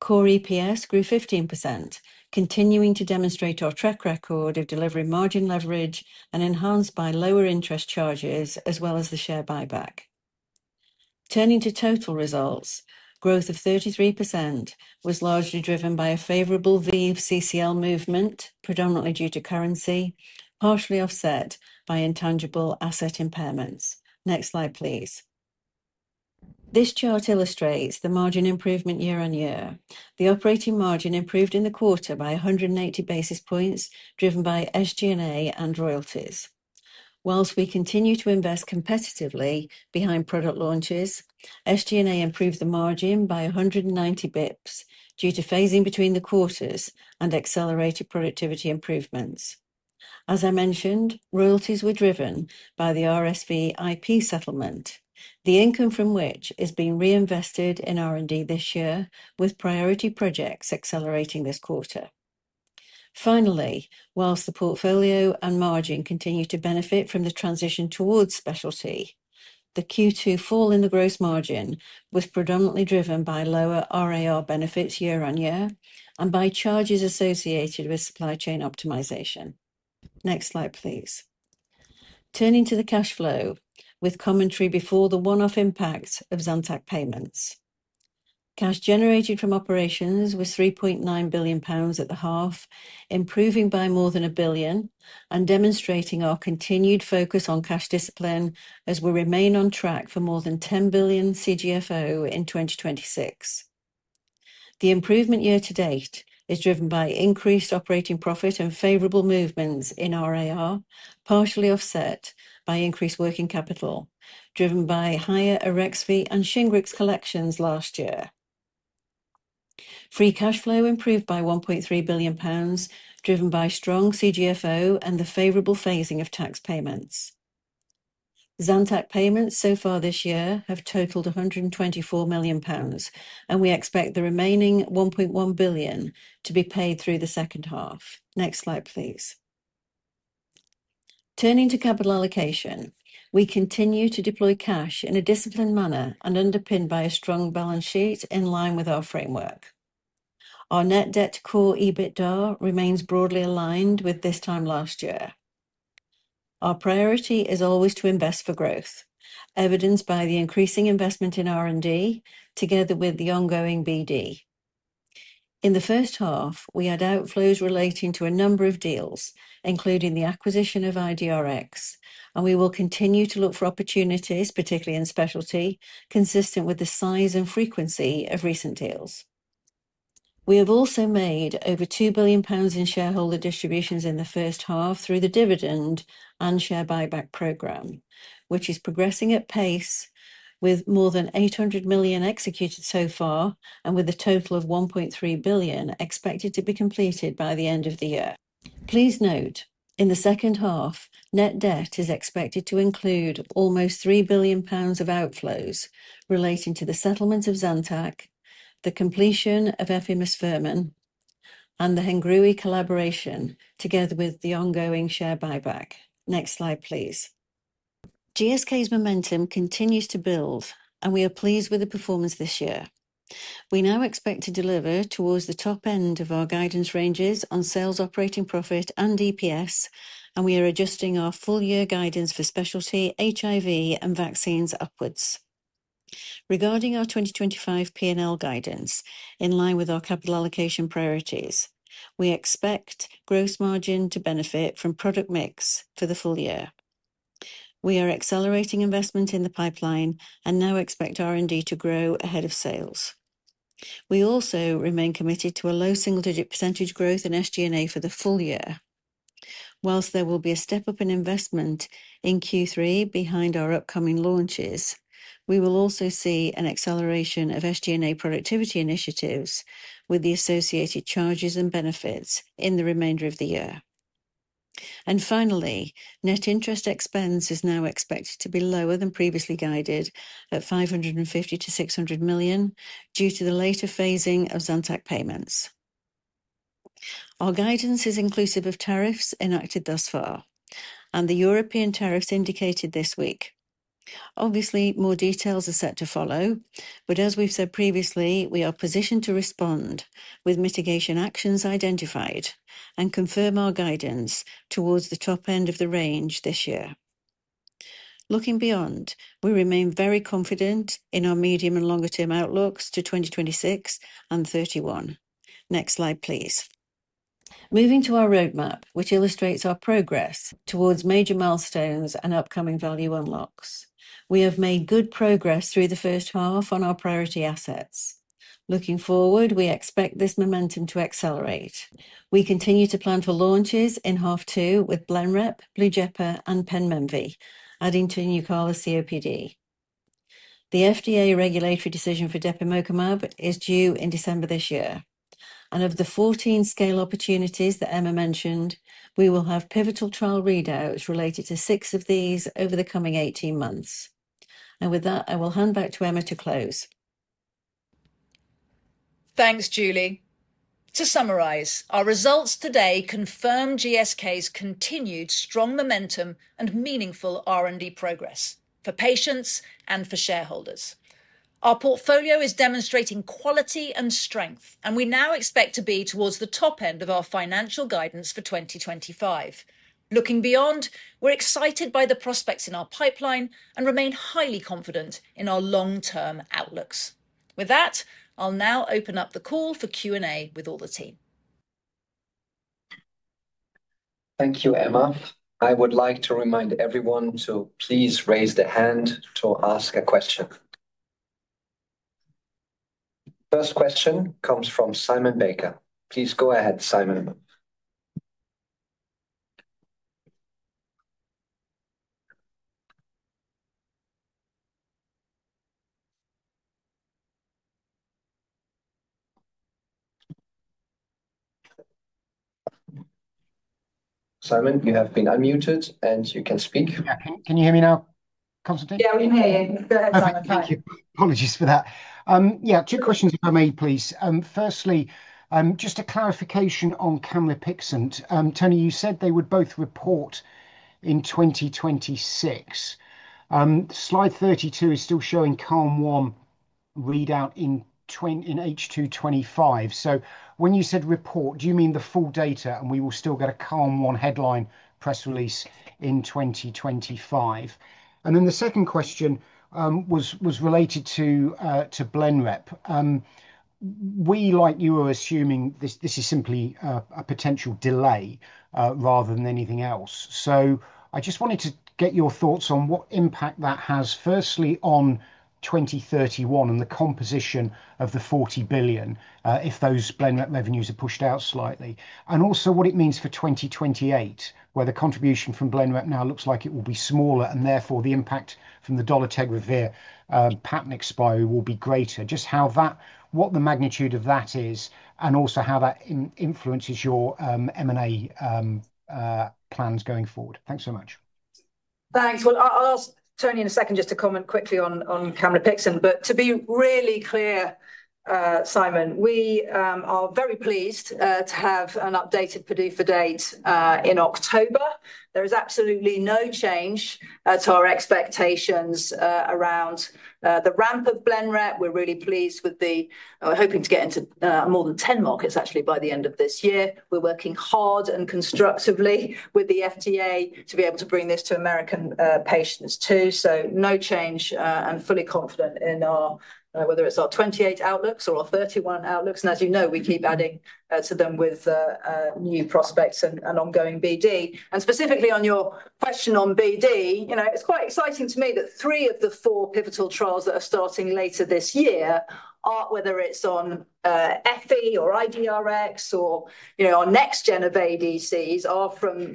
Speaker 6: Core EPS grew 15%, continuing to demonstrate our track record of delivering margin leverage and enhanced by lower interest charges, as well as the share buyback. Turning to total results, growth of 33% was largely driven by a favorable V of CCL movement, predominantly due to currency, partially offset by intangible asset impairments. Next slide, please. This chart illustrates the margin improvement year-on-year. The operating margin improved in the quarter by 180 basis points, driven by SG&A and royalties. Whilst we continue to invest competitively behind product launches, SG&A improved the margin by 190 basis points due to phasing between the quarters and accelerated productivity improvements. As I mentioned, royalties were driven by the RSV IP settlement, the income from which is being reinvested in R&D this year, with priority projects accelerating this quarter. Finally, whilst the portfolio and margin continue to benefit from the transition towards specialty, the Q2 fall in the gross margin was predominantly driven by lower RAR benefits year-on-year and by charges associated with supply chain optimization. Next slide, please. Turning to the cash flow, with commentary before the one-off impact of Zantac payments. Cash generated from operations was 3.9 billion pounds at the half, improving by more than 1 billion and demonstrating our continued focus on cash discipline as we remain on track for more than 10 billion CGFO in 2026. The improvement year-to-date is driven by increased operating profit and favorable movements in RAR, partially offset by increased working capital, driven by higher Arexvy and Shingrix collections last year. Free cash flow improved by 1.3 billion pounds, driven by strong CGFO and the favorable phasing of tax payments. Zantac payments so far this year have totaled 124 million pounds, and we expect the remaining 1.1 billion to be paid through the second half. Next slide, please. Turning to capital allocation, we continue to deploy cash in a disciplined manner and underpinned by a strong balance sheet in line with our framework. Our net debt to core EBITDA remains broadly aligned with this time last year. Our priority is always to invest for growth, evidenced by the increasing investment in R&D together with the ongoing BD. In the first half, we had outflows relating to a number of deals, including the acquisition of IDRx, and we will continue to look for opportunities, particularly in specialty, consistent with the size and frequency of recent deals. We have also made over 2 billion pounds in shareholder distributions in the first half through the dividend and share buyback program, which is progressing at pace, with more than 800 million executed so far and with a total of 1.3 billion expected to be completed by the end of the year. Please note, in the second half, net debt is expected to include almost 3 billion pounds of outflows relating to the settlement of Zantac, the completion of efimosfermin, and the Hengrui collaboration, together with the ongoing share buyback. Next slide, please. GSK's momentum continues to build, and we are pleased with the performance this year. We now expect to deliver towards the top end of our guidance ranges on sales, operating profit, and DPS, and we are adjusting our full-year guidance for specialty, HIV, and vaccines upwards. Regarding our 2025 P&L guidance, in line with our capital allocation priorities, we expect gross margin to benefit from product mix for the full year. We are accelerating investment in the pipeline and now expect R&D to grow ahead of sales. We also remain committed to a low single-digit % growth in SG&A for the full year. Whilst there will be a step-up in investment in Q3 behind our upcoming launches, we will also see an acceleration of SG&A productivity initiatives with the associated charges and benefits in the remainder of the year. Finally, net interest expense is now expected to be lower than previously guided at 550 million-600 million due to the later phasing of Zantac payments. Our guidance is inclusive of tariffs enacted thus far and the European tariffs indicated this week. Obviously, more details are set to follow, but as we've said previously, we are positioned to respond with mitigation actions identified and confirm our guidance towards the top end of the range this year. Looking beyond, we remain very confident in our medium and longer-term outlooks to 2026 and 2031. Next slide, please. Moving to our roadmap, which illustrates our progress towards major milestones and upcoming value unlocks. We have made good progress through the first half on our priority assets. Looking forward, we expect this momentum to accelerate. We continue to plan for launches in half two with BLENREP, Blujepa, and PENMENVY, adding to Nucala COPD. The FDA regulatory decision for Depemokimab is due in December this year. Of the 14 scale opportunities that Emma mentioned, we will have pivotal trial readouts related to six of these over the coming 18 months. With that, I will hand back to Emma to close.
Speaker 2: Thanks, Julie. To summarize, our results today confirm GSK's continued strong momentum and meaningful R&D progress for patients and for shareholders. Our portfolio is demonstrating quality and strength, and we now expect to be towards the top end of our financial guidance for 2025. Looking beyond, we're excited by the prospects in our pipeline and remain highly confident in our long-term outlooks. With that, I'll now open up the call for Q&A with all the team.
Speaker 1: Thank you, Emma. I would like to remind everyone to please raise their hand to ask a question. First question comes from Simon Baker. Please go ahead, Simon. Simon, you have been unmuted and you can speak.
Speaker 7: Yeah, can you hear me now?
Speaker 2: Yeah, we hear you.
Speaker 7: Thank you. Apologies for that. Yeah, two questions if I may, please. Firstly, just a clarification on Camlipixant. Tony, you said they would both report in 2026. Slide 32 is still showing CALM--1 readout in H2 2025. When you said report, do you mean the full data and we will still get a Calm One headline press release in 2025? The second question was related to BLENREP. We, like you, are assuming this is simply a potential delay rather than anything else. I just wanted to get your thoughts on what impact that has, firstly, on 2031 and the composition of the 40 billion if those BLENREP revenues are pushed out slightly? Also, what it means for 2028, where the contribution from BLENREP now looks like it will be smaller and therefore the impact from the dolutegravir patent expire will be greater? Just how that, what the magnitude of that is, and also how that influences your M&A plans going forward? Thanks so much.
Speaker 2: Thanks. I'll ask Tony in a second just to comment quickly on Camlipixant. To be really clear, Simon, we are very pleased to have an updated PDUFA date in October. There is absolutely no change to our expectations around the ramp of BLENREP. We're really pleased with the, we're hoping to get into more than 10 markets actually by the end of this year. We're working hard and constructively with the FDA to be able to bring this to American patients too. No change and fully confident in our, whether it's our 2028 outlooks or our 2031 outlooks. As you know, we keep adding to them with new prospects and ongoing BD. Specifically on your question on BD, it's quite exciting to me that three of the four pivotal trials that are starting later this year are, whether it's on efimosfermin or IDRx or our next gen of ADCs, are from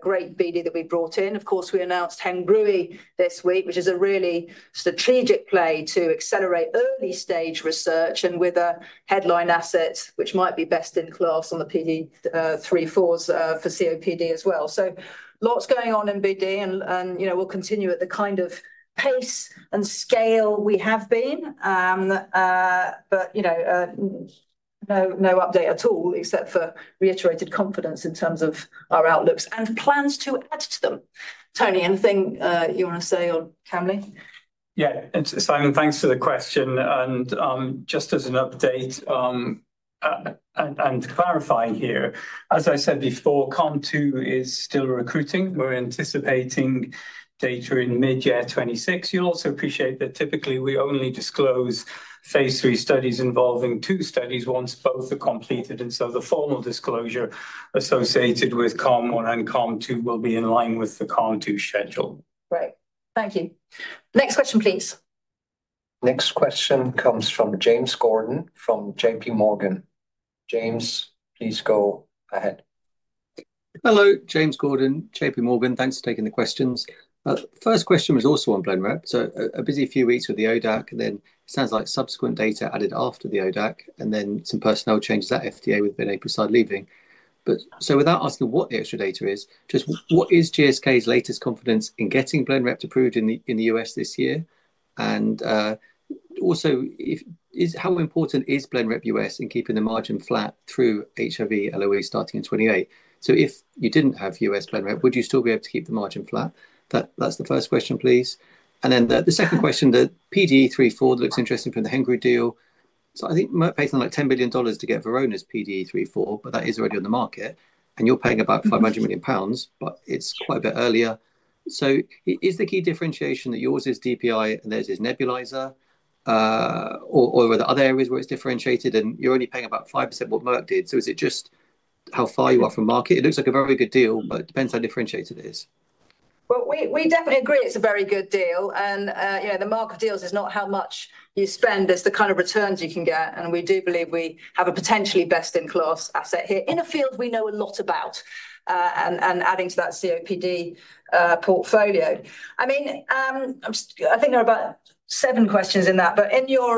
Speaker 2: great BD that we brought in. Of course, we announced Hengrui this week, which is a really strategic play to accelerate early stage research and with a headline asset which might be best in class on the PDE 3-4s for COPD as well. Lots going on in BD and we'll continue at the kind of pace and scale we have been. No update at all except for reiterated confidence in terms of our outlooks and plans to add to them. Tony, anything you want to say on Camlipixant?
Speaker 3: Yeah, Simon, thanks for the question. Just as an update and clarifying here, as I said before, CALM-2 is still recruiting. We're anticipating data in mid-year 2026. You'll also appreciate that typically we only disclose phase III studies involving two studies once both are completed. The formal disclosure associated with Calm One and CALM-2 will be in line with the CALM-2 schedule.
Speaker 2: Great. Thank you. Next question, please.
Speaker 1: Next question comes from James Gordon from J.P. Morgan. James, please go ahead.
Speaker 8: Hello, James Gordon, J.P. Morgan. Thanks for taking the questions. First question was also on BLENREP. A busy few weeks with the ODAC, and then it sounds like subsequent data added after the ODAC, and then some personnel changes at FDA with Vinay Prasad leaving. Without asking what the extra data is, just what is GSK's latest confidence in getting BLENREP approved in the U.S. this year? Also, how important is BLENREP U.S. in keeping the margin flat through HIV LOE starting in 2028? If you did not have U.S. BLENREP, would you still be able to keep the margin flat? That is the first question, please. The second question, the PDE 3-4 that looks interesting from the Hengrui deal. I think we are paying like $10 billion to get Verona's PDE 3-4, but that is already on the market and you are paying about 500 million pounds, but it is quite a bit earlier. Is the key differentiation that yours is DPI and theirs is nebulizer, or are there other areas where it is differentiated and you are only paying about 5% what Merck did? Is it just how far you are from market? It looks like a very good deal, but it depends how differentiated it is.
Speaker 2: We definitely agree it is a very good deal. You know, the market deals is not how much you spend, it is the kind of returns you can get. We do believe we have a potentially best in class asset here in a field we know a lot about. Adding to that COPD portfolio. I mean, I think there are about seven questions in that, but in your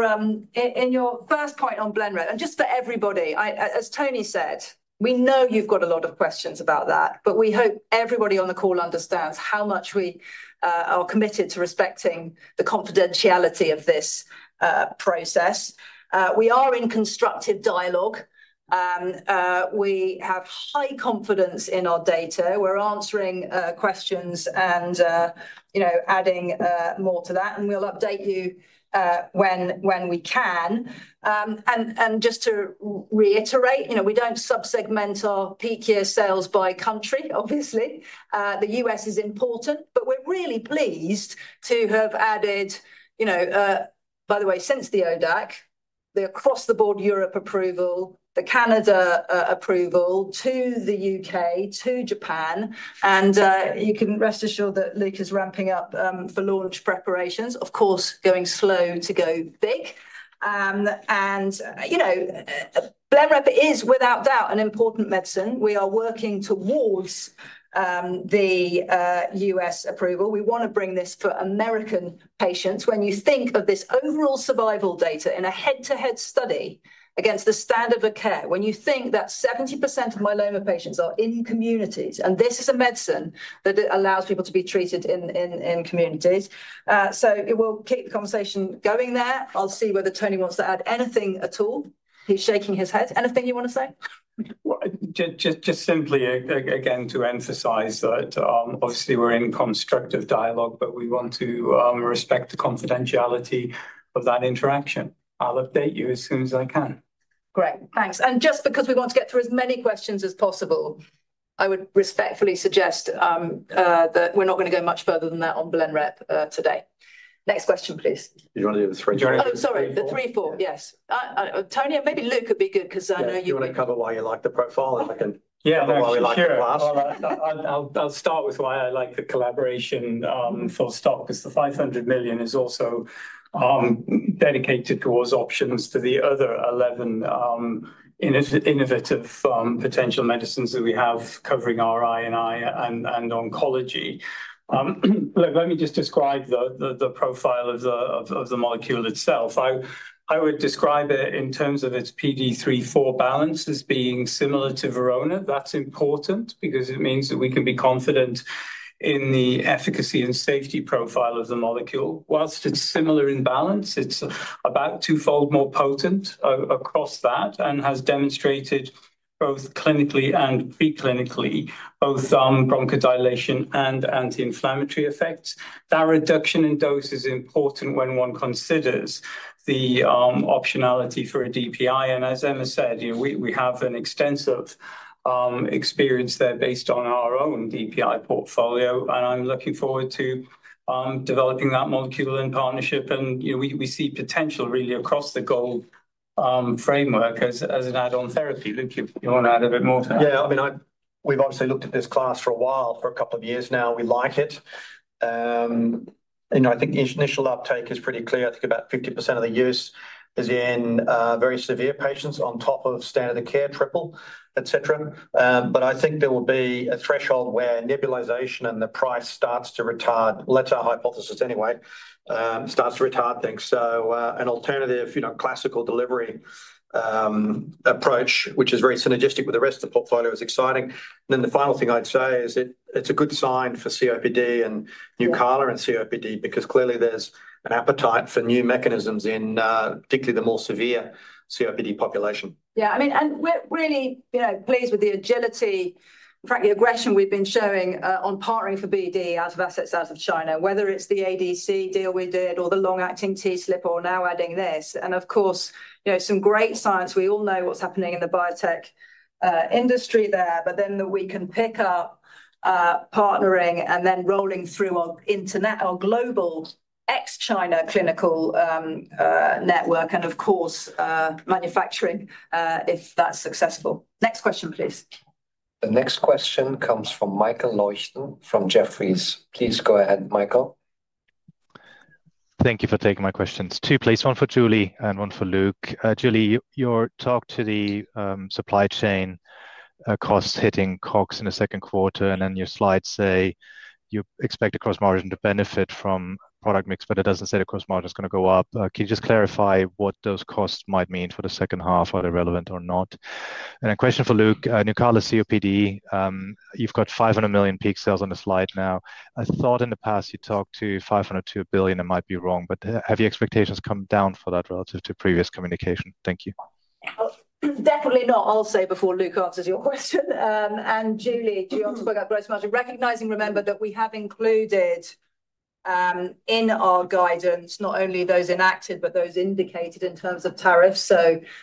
Speaker 2: first point on BLENREP, and just for everybody, as Tony said, we know you have got a lot of questions about that, but we hope everybody on the call understands how much we are committed to respecting the confidentiality of this process. We are in constructive dialogue. We have high confidence in our data. We are answering questions and, you know, adding more to that. We will update you when we can. Just to reiterate, you know, we do not subsegment our peak year sales by country, obviously. The U.S. is important, but we are really pleased to have added, you know, by the way, since the ODAC, the across-the-board Europe approval, the Canada approval to the U.K., to Japan. You can rest assured that Luke is ramping up for launch preparations. Of course, going slow to go big. You know, BLENREP is without doubt an important medicine. We are working towards the. U.S. approval. We want to bring this for American patients. When you think of this overall survival data in a head-to-head study against the standard of care, when you think that 70% of myeloma patients are in communities, and this is a medicine that allows people to be treated in communities. It will keep the conversation going there. I'll see whether Tony wants to add anything at all. He's shaking his head. Anything you want to say?
Speaker 3: Just simply again to emphasize that obviously we're in constructive dialogue, but we want to respect the confidentiality of that interaction. I'll update you as soon as I can.
Speaker 2: Great. Thanks. Just because we want to get through as many questions as possible, I would respectfully suggest that we're not going to go much further than that on BLENREP today. Next question, please.
Speaker 3: Did you want to do the three?
Speaker 2: Oh, sorry, the three four. Yes. Tony, maybe Luke would be good because I know.
Speaker 4: You want to cover why you like the profile and I can, yeah, why we like the class. I'll start with why I like the collaboration for stock because the $500 million is also dedicated towards options to the other 11 innovative potential medicines that we have covering RI&I and oncology. Look, let me just describe the profile of the molecule itself. I would describe it in terms of its PDE3/4 balance as being similar to Verona. That's important because it means that we can be confident in the efficacy and safety profile of the molecule. Whilst it's similar in balance, it's about twofold more potent across that and has demonstrated both clinically and preclinically both bronchodilation and anti-inflammatory effects. That reduction in dose is important when one considers the optionality for a DPI. As Emma said, you know, we have an extensive experience there based on our own DPI portfolio, and I'm looking forward to developing that molecule in partnership. You know, we see potential really across the GOLD framework as an add-on therapy. Luke, if you want to add a bit more to that. Yeah, I mean, we've obviously looked at this class for a while, for a couple of years now. We like it. You know, I think initial uptake is pretty clear. I think about 50% of the use is in very severe patients on top of standard of care, triple, et cetera. I think there will be a threshold where nebulization and the price starts to retard, let's say hypothesis anyway, starts to retard things. An alternative, you know, classical delivery. Approach, which is very synergistic with the rest of the portfolio, is exciting. The final thing I'd say is it's a good sign for COPD and Nucala and COPD because clearly there's an appetite for new mechanisms in particularly the more severe COPD population.
Speaker 2: Yeah, I mean, and we're really, you know, pleased with the agility, in fact, the aggression we've been showing on partnering for BD out of assets out of China, whether it's the ADC deal we did or the long-acting T-slip or now adding this. Of course, you know, some great science. We all know what's happening in the biotech industry there, but then that we can pick up. Partnering and then rolling through our internal or global ex-China clinical network and of course manufacturing if that's successful. Next question, please.
Speaker 1: The next question comes from Michael Leuchten from Jefferies. Please go ahead, Michael.
Speaker 9: Thank you for taking my questions. Two please, one for Julie and one for Luke. Julie, you talked to the supply chain cost hitting COGS in the second quarter, and then your slides say you expect the gross margin to benefit from product mix, but it doesn't say the gross margin is going to go up. Can you just clarify what those costs might mean for the second half? Are they relevant or not? A question for Luke, Nucala COPD, you've got $500 million peak sales on the slide now. I thought in the past you talked to $500 million-$2 billion, I might be wrong, but have your expectations come down for that relative to previous communication? Thank you.
Speaker 2: Definitely not. I'll say before Luke answers your question. Julie, do you want to pick up gross margin? Recognizing, remember that we have included in our guidance not only those enacted but those indicated in terms of tariffs.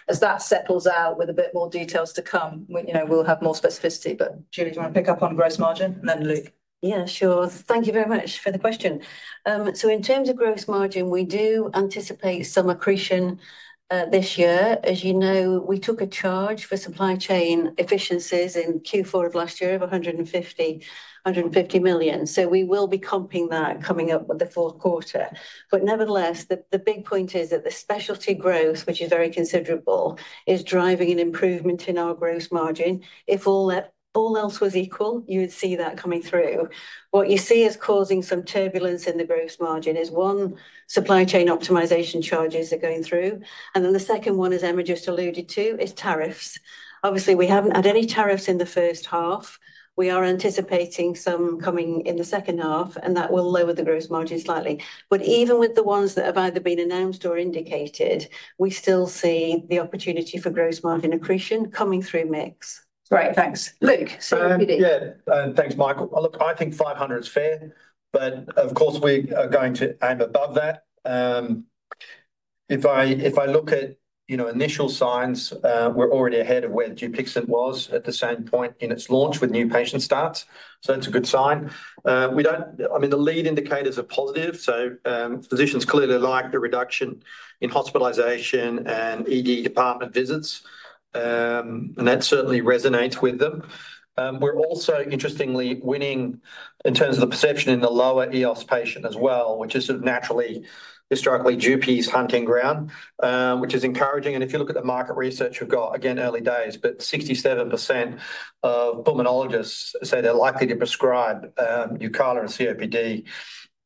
Speaker 2: As that settles out with a bit more details to come, you know, we'll have more specificity. Julie, do you want to pick up on gross margin? Then Luke.
Speaker 6: Yeah, sure. Thank you very much for the question. In terms of gross margin, we do anticipate some accretion this year. As you know, we took a charge for supply chain efficiencies in Q4 of last year of $150 million. We will be comping that coming up with the fourth quarter. Nevertheless, the big point is that the specialty growth, which is very considerable, is driving an improvement in our gross margin. If all else was equal, you would see that coming through. What you see is causing some turbulence in the gross margin is one, supply chain optimisation charges are going through. The second one, as Emma just alluded to, is tariffs. Obviously, we have not had any tariffs in the first half. We are anticipating some coming in the second half, and that will lower the gross margin slightly. Even with the ones that have either been announced or indicated, we still see the opportunity for gross margin accretion coming through mix.
Speaker 2: Great. Thanks. Luke, COPD.
Speaker 9: Yeah. Thanks, Michael. Look, I think 500 is fair, but of course we are going to aim above that. If I look at, you know, initial signs, we are already ahead of where Dupixent was at the same point in its launch with new patient starts. That is a good sign. The lead indicators are positive. Physicians clearly like the reduction in hospitalisation and ED department visits. That certainly resonates with them. We are also, interestingly, winning in terms of the perception in the lower EOS patient as well, which is sort of naturally, historically, Dupi's hunting ground, which is encouraging. If you look at the market research, we have got, again early days, but 67% of pulmonologists say they are likely to prescribe Nucala in COPD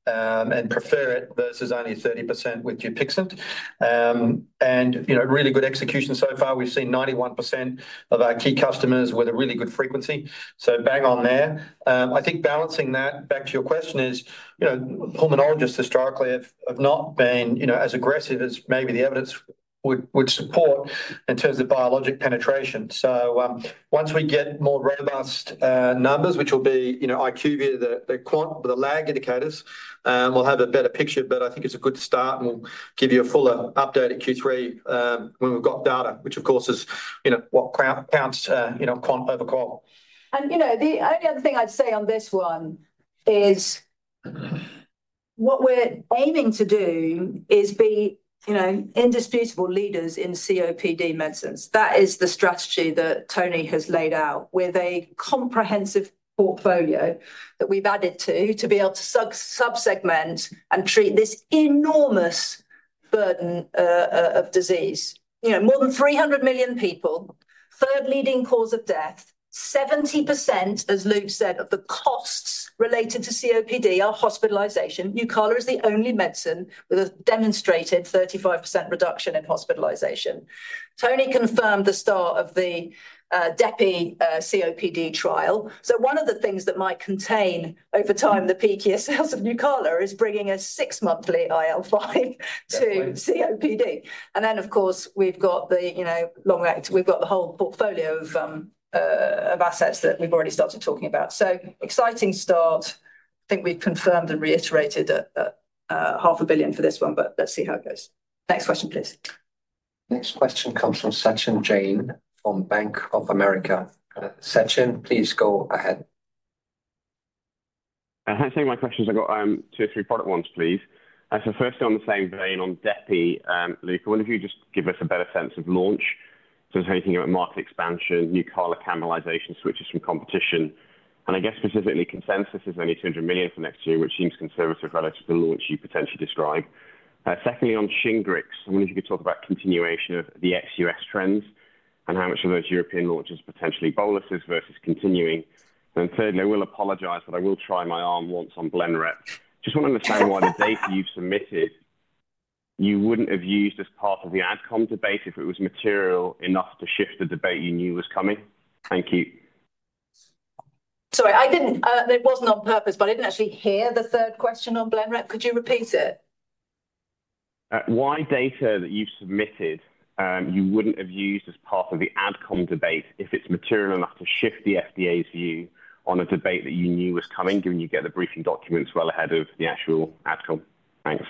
Speaker 9: and prefer it versus only 30% with Dupixent. Really good execution so far. We have seen 91% of our key customers with a really good frequency. Bang on there. I think balancing that back to your question is, you know, pulmonologists historically have not been as aggressive as maybe the evidence would support in terms of biologic penetration. Once we get more robust numbers, which will be, you know, IQVIA, the quant with the lag indicators, we will have a better picture. I think it is a good start and we will give you a fuller update at Q3 when we have got data, which of course is, you know, what counts, you know, quant-over-quant.
Speaker 2: The only other thing I would say on this one is what we are aiming to do is be, you know, indisputable leaders in COPD medicines. That is the strategy that Tony has laid out with a comprehensive portfolio that we have added to, to be able to subsegment and treat this enormous burden of disease. You know, more than 300 million people. Third leading cause of death, 70%, as Luke said, of the costs related to COPD are hospitalisation. Nucala is the only medicine with a demonstrated 35% reduction in hospitalisation. Tony confirmed the start of the, Dupi COPD trial. One of the things that might contain over time the peak year sales of Nucala is bringing a six-monthly IL-5 to COPD. Of course, we have the, you know, long act, we have the whole portfolio of assets that we've already started talking about. Exciting start. I think we've confirmed and reiterated $500,000 for this one, but let's see how it goes. Next question, please.
Speaker 1: Next question comes from Sachin Jain from Bank of America. Sachin, please go ahead.
Speaker 10: I think my questions, I've got two or three product ones, please. Firstly, on the same vein on Dupi, Luke, I wonder if you could just give us a better sense of launch. Is there anything about market expansion, Nucala canalization, switches from competition? I guess specifically consensus is only $200 million for next year, which seems conservative relative to the launch you potentially describe. Secondly, on Shingrix, I wonder if you could talk about continuation of the ex-U.S. trends and how much of those European launches are potentially boluses versus continuing. Thirdly, I will apologize, but I will try my arm once on BLENREP. Just want to understand why the data you've submitted you would not have used as part of the AdCom debate if it was material enough to shift the debate you knew was coming. Thank you.
Speaker 2: Sorry, it was not on purpose, but I did not actually hear the third question on BLENREP. Could you repeat it?
Speaker 10: Why data that you've submitted you would not have used as part of the AdCom debate if it is material enough to shift the FDA's view on a debate that you knew was coming, given you get the briefing documents well ahead of the actual AdCom? Thanks.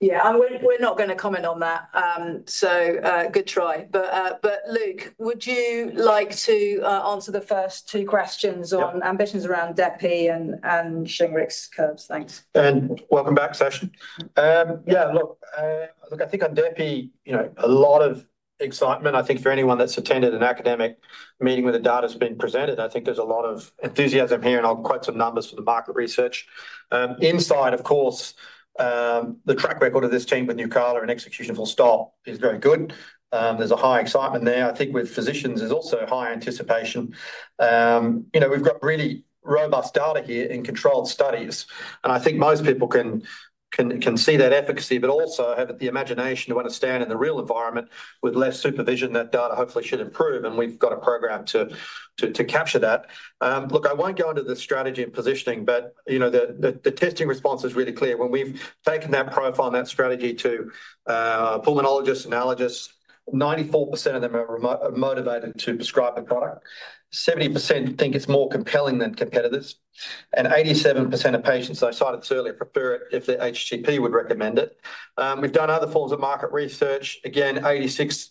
Speaker 2: We are not going to comment on that. Good try. Luke, would you like to answer the first two questions on ambitions around Dupi and Shingrix curves? Thanks.
Speaker 4: Welcome back, Sachin. Look, I think on Dupi, you know, a lot of excitement. I think for anyone that has attended an academic meeting where the data has been presented, there is a lot of enthusiasm here and I will quote some numbers for the market research. Inside, of course. The track record of this team with Nucala and execution for stock is very good. There is a high excitement there. I think with physicians, there is also high anticipation. We have really robust data here in controlled studies, and I think most people can. See that efficacy, but also have the imagination to understand in the real environment with less supervision that data hopefully should improve. And we've got a program to capture that. Look, I won't go into the strategy and positioning, but you know, the testing response is really clear. When we've taken that profile and that strategy to pulmonologists, allergists, 94% of them are motivated to prescribe the product. 70% think it's more compelling than competitors. And 87% of patients, I cited this earlier, prefer it if the HCP would recommend it. We've done other forms of market research. Again, 86%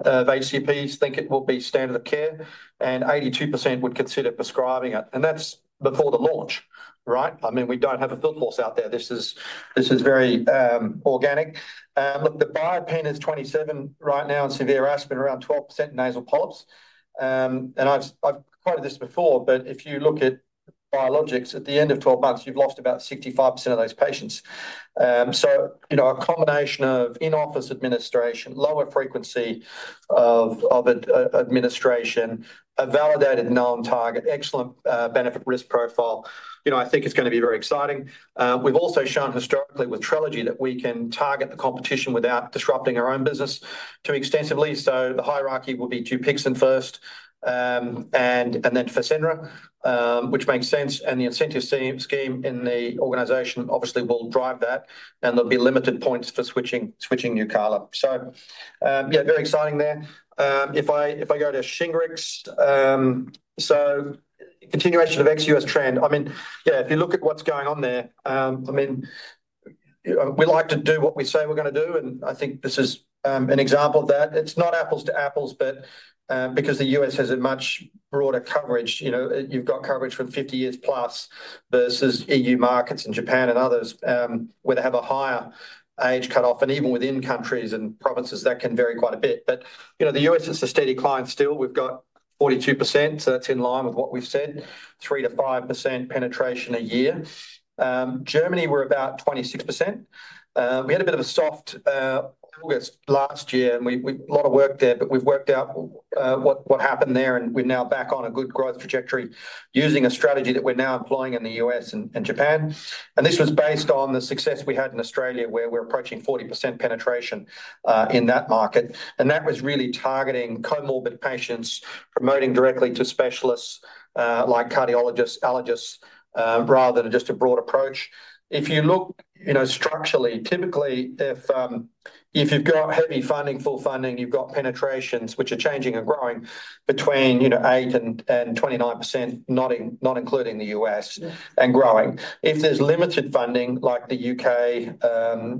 Speaker 4: of HCPs think it will be standard of care, and 82% would consider prescribing it. And that's before the launch, right? I mean, we don't have a field force out there. This is very organic. Look, the biopen is 27 right now in severe asthma, around 12% in nasal polyps. And I've quoted this before, but if you look at biologics, at the end of 12 months, you've lost about 65% of those patients. So, you know, a combination of in-office administration, lower frequency of administration, a validated known target, excellent benefit risk profile, you know, I think it's going to be very exciting. We've also shown historically with Trelegy that we can target the competition without disrupting our own business too extensively. So the hierarchy will be Dupixent first. And then Fasenra, which makes sense. And the incentive scheme in the organization obviously will drive that. And there'll be limited points for switching Nucala. So, yeah, very exciting there. If I go to Shingrix. So. Continuation of ex-U.S. trend, I mean, yeah, if you look at what's going on there, I mean. We like to do what we say we're going to do, and I think this is an example of that. It's not apples to apples, but because the U.S. has a much broader coverage, you know, you've got coverage from 50 years plus versus EU markets and Japan and others where they have a higher age cutoff. And even within countries and provinces, that can vary quite a bit. But, you know, the U.S. is a steady client still. We've got 42%, so that's in line with what we've said, 3-5% penetration a year. Germany, we're about 26%. We had a bit of a soft August last year, and we've a lot of work there, but we've worked out what happened there, and we're now back on a good growth trajectory using a strategy that we're now employing in the U.S. and Japan. This was based on the success we had in Australia, where we're approaching 40% penetration in that market. That was really targeting comorbid patients, promoting directly to specialists like cardiologists, allergists, rather than just a broad approach. If you look, you know, structurally, typically if you've got heavy funding, full funding, you've got penetrations, which are changing and growing between 8-29%, not including the U.S., and growing. If there's limited funding like the U.K.,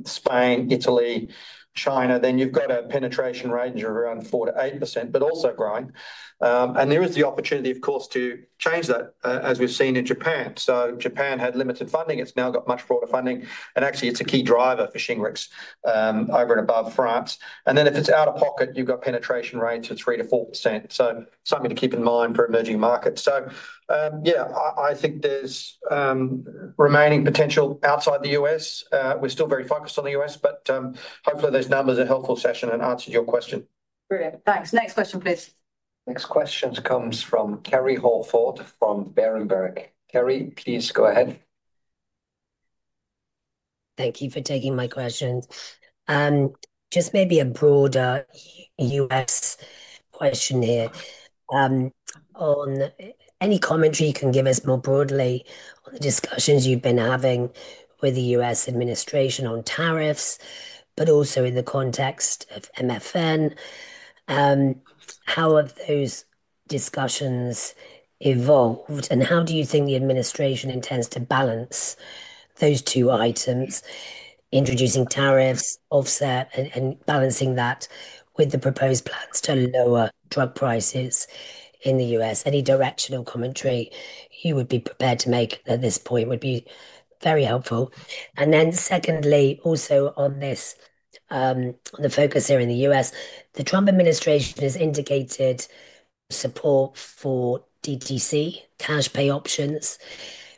Speaker 4: Spain, Italy, China, then you've got a penetration range of around 4-8%, but also growing. There is the opportunity, of course, to change that as we've seen in Japan. Japan had limited funding. It's now got much broader funding. Actually, it's a key driver for Shingrix over and above France. If it's out of pocket, you've got penetration rates of 3-4%. Something to keep in mind for emerging markets. Yeah, I think there's remaining potential outside the U.S. We're still very focused on the U.S., but hopefully those numbers are helpful, Sachin, and answered your question.
Speaker 2: Brilliant. Thanks. Next question, please.
Speaker 1: Next question comes from Kerry Halford from Berenberg. Kerry, please go ahead.
Speaker 11: Thank you for taking my question. Just maybe a broader U.S. question here. On any commentary you can give us more broadly on the discussions you've been having with the U.S. administration on tariffs, but also in the context of MFN. How have those discussions evolved, and how do you think the administration intends to balance those two items, introducing tariffs, offset, and balancing that with the proposed plans to lower drug prices in the U.S.? Any directional commentary you would be prepared to make at this point would be very helpful. Secondly, also on this, on the focus here in the U.S., the Trump administration has indicated support for DTC, cash pay options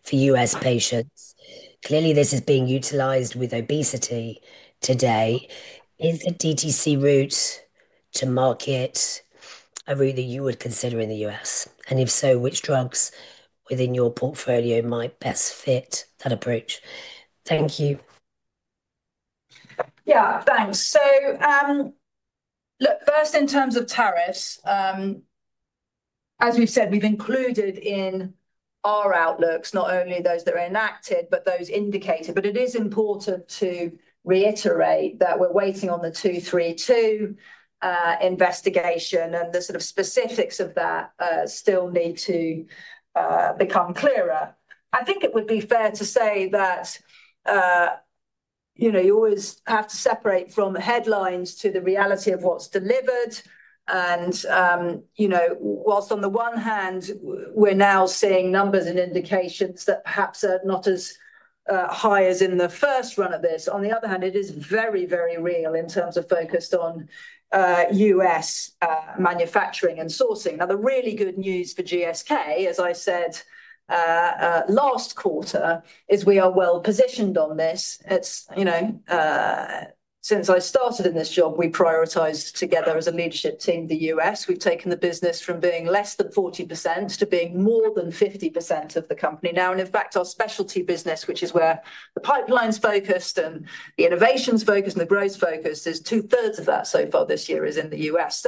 Speaker 11: for U.S. patients. Clearly, this is being utilized with obesity today. Is the DTC route to market a route that you would consider in the U.S.? If so, which drugs within your portfolio might best fit that approach? Thank you.
Speaker 2: Yeah, thanks. First, in terms of tariffs. As we've said, we've included in our outlooks not only those that are enacted, but those indicated. It is important to reiterate that we're waiting on the 232 investigation, and the sort of specifics of that still need to become clearer. I think it would be fair to say that. You know, you always have to separate from the headlines to the reality of what's delivered. And, you know, whilst on the one hand, we're now seeing numbers and indications that perhaps are not as high as in the first run of this, on the other hand, it is very, very real in terms of focused on U.S. manufacturing and sourcing. Now, the really good news for GSK, as I said last quarter, is we are well positioned on this. It's, you know. Since I started in this job, we prioritised together as a leadership team the U.S. We've taken the business from being less than 40% to being more than 50% of the company now. In fact, our specialty business, which is where the pipeline's focused and the innovation's focused and the growth's focused, is two-thirds of that so far this year is in the U.S.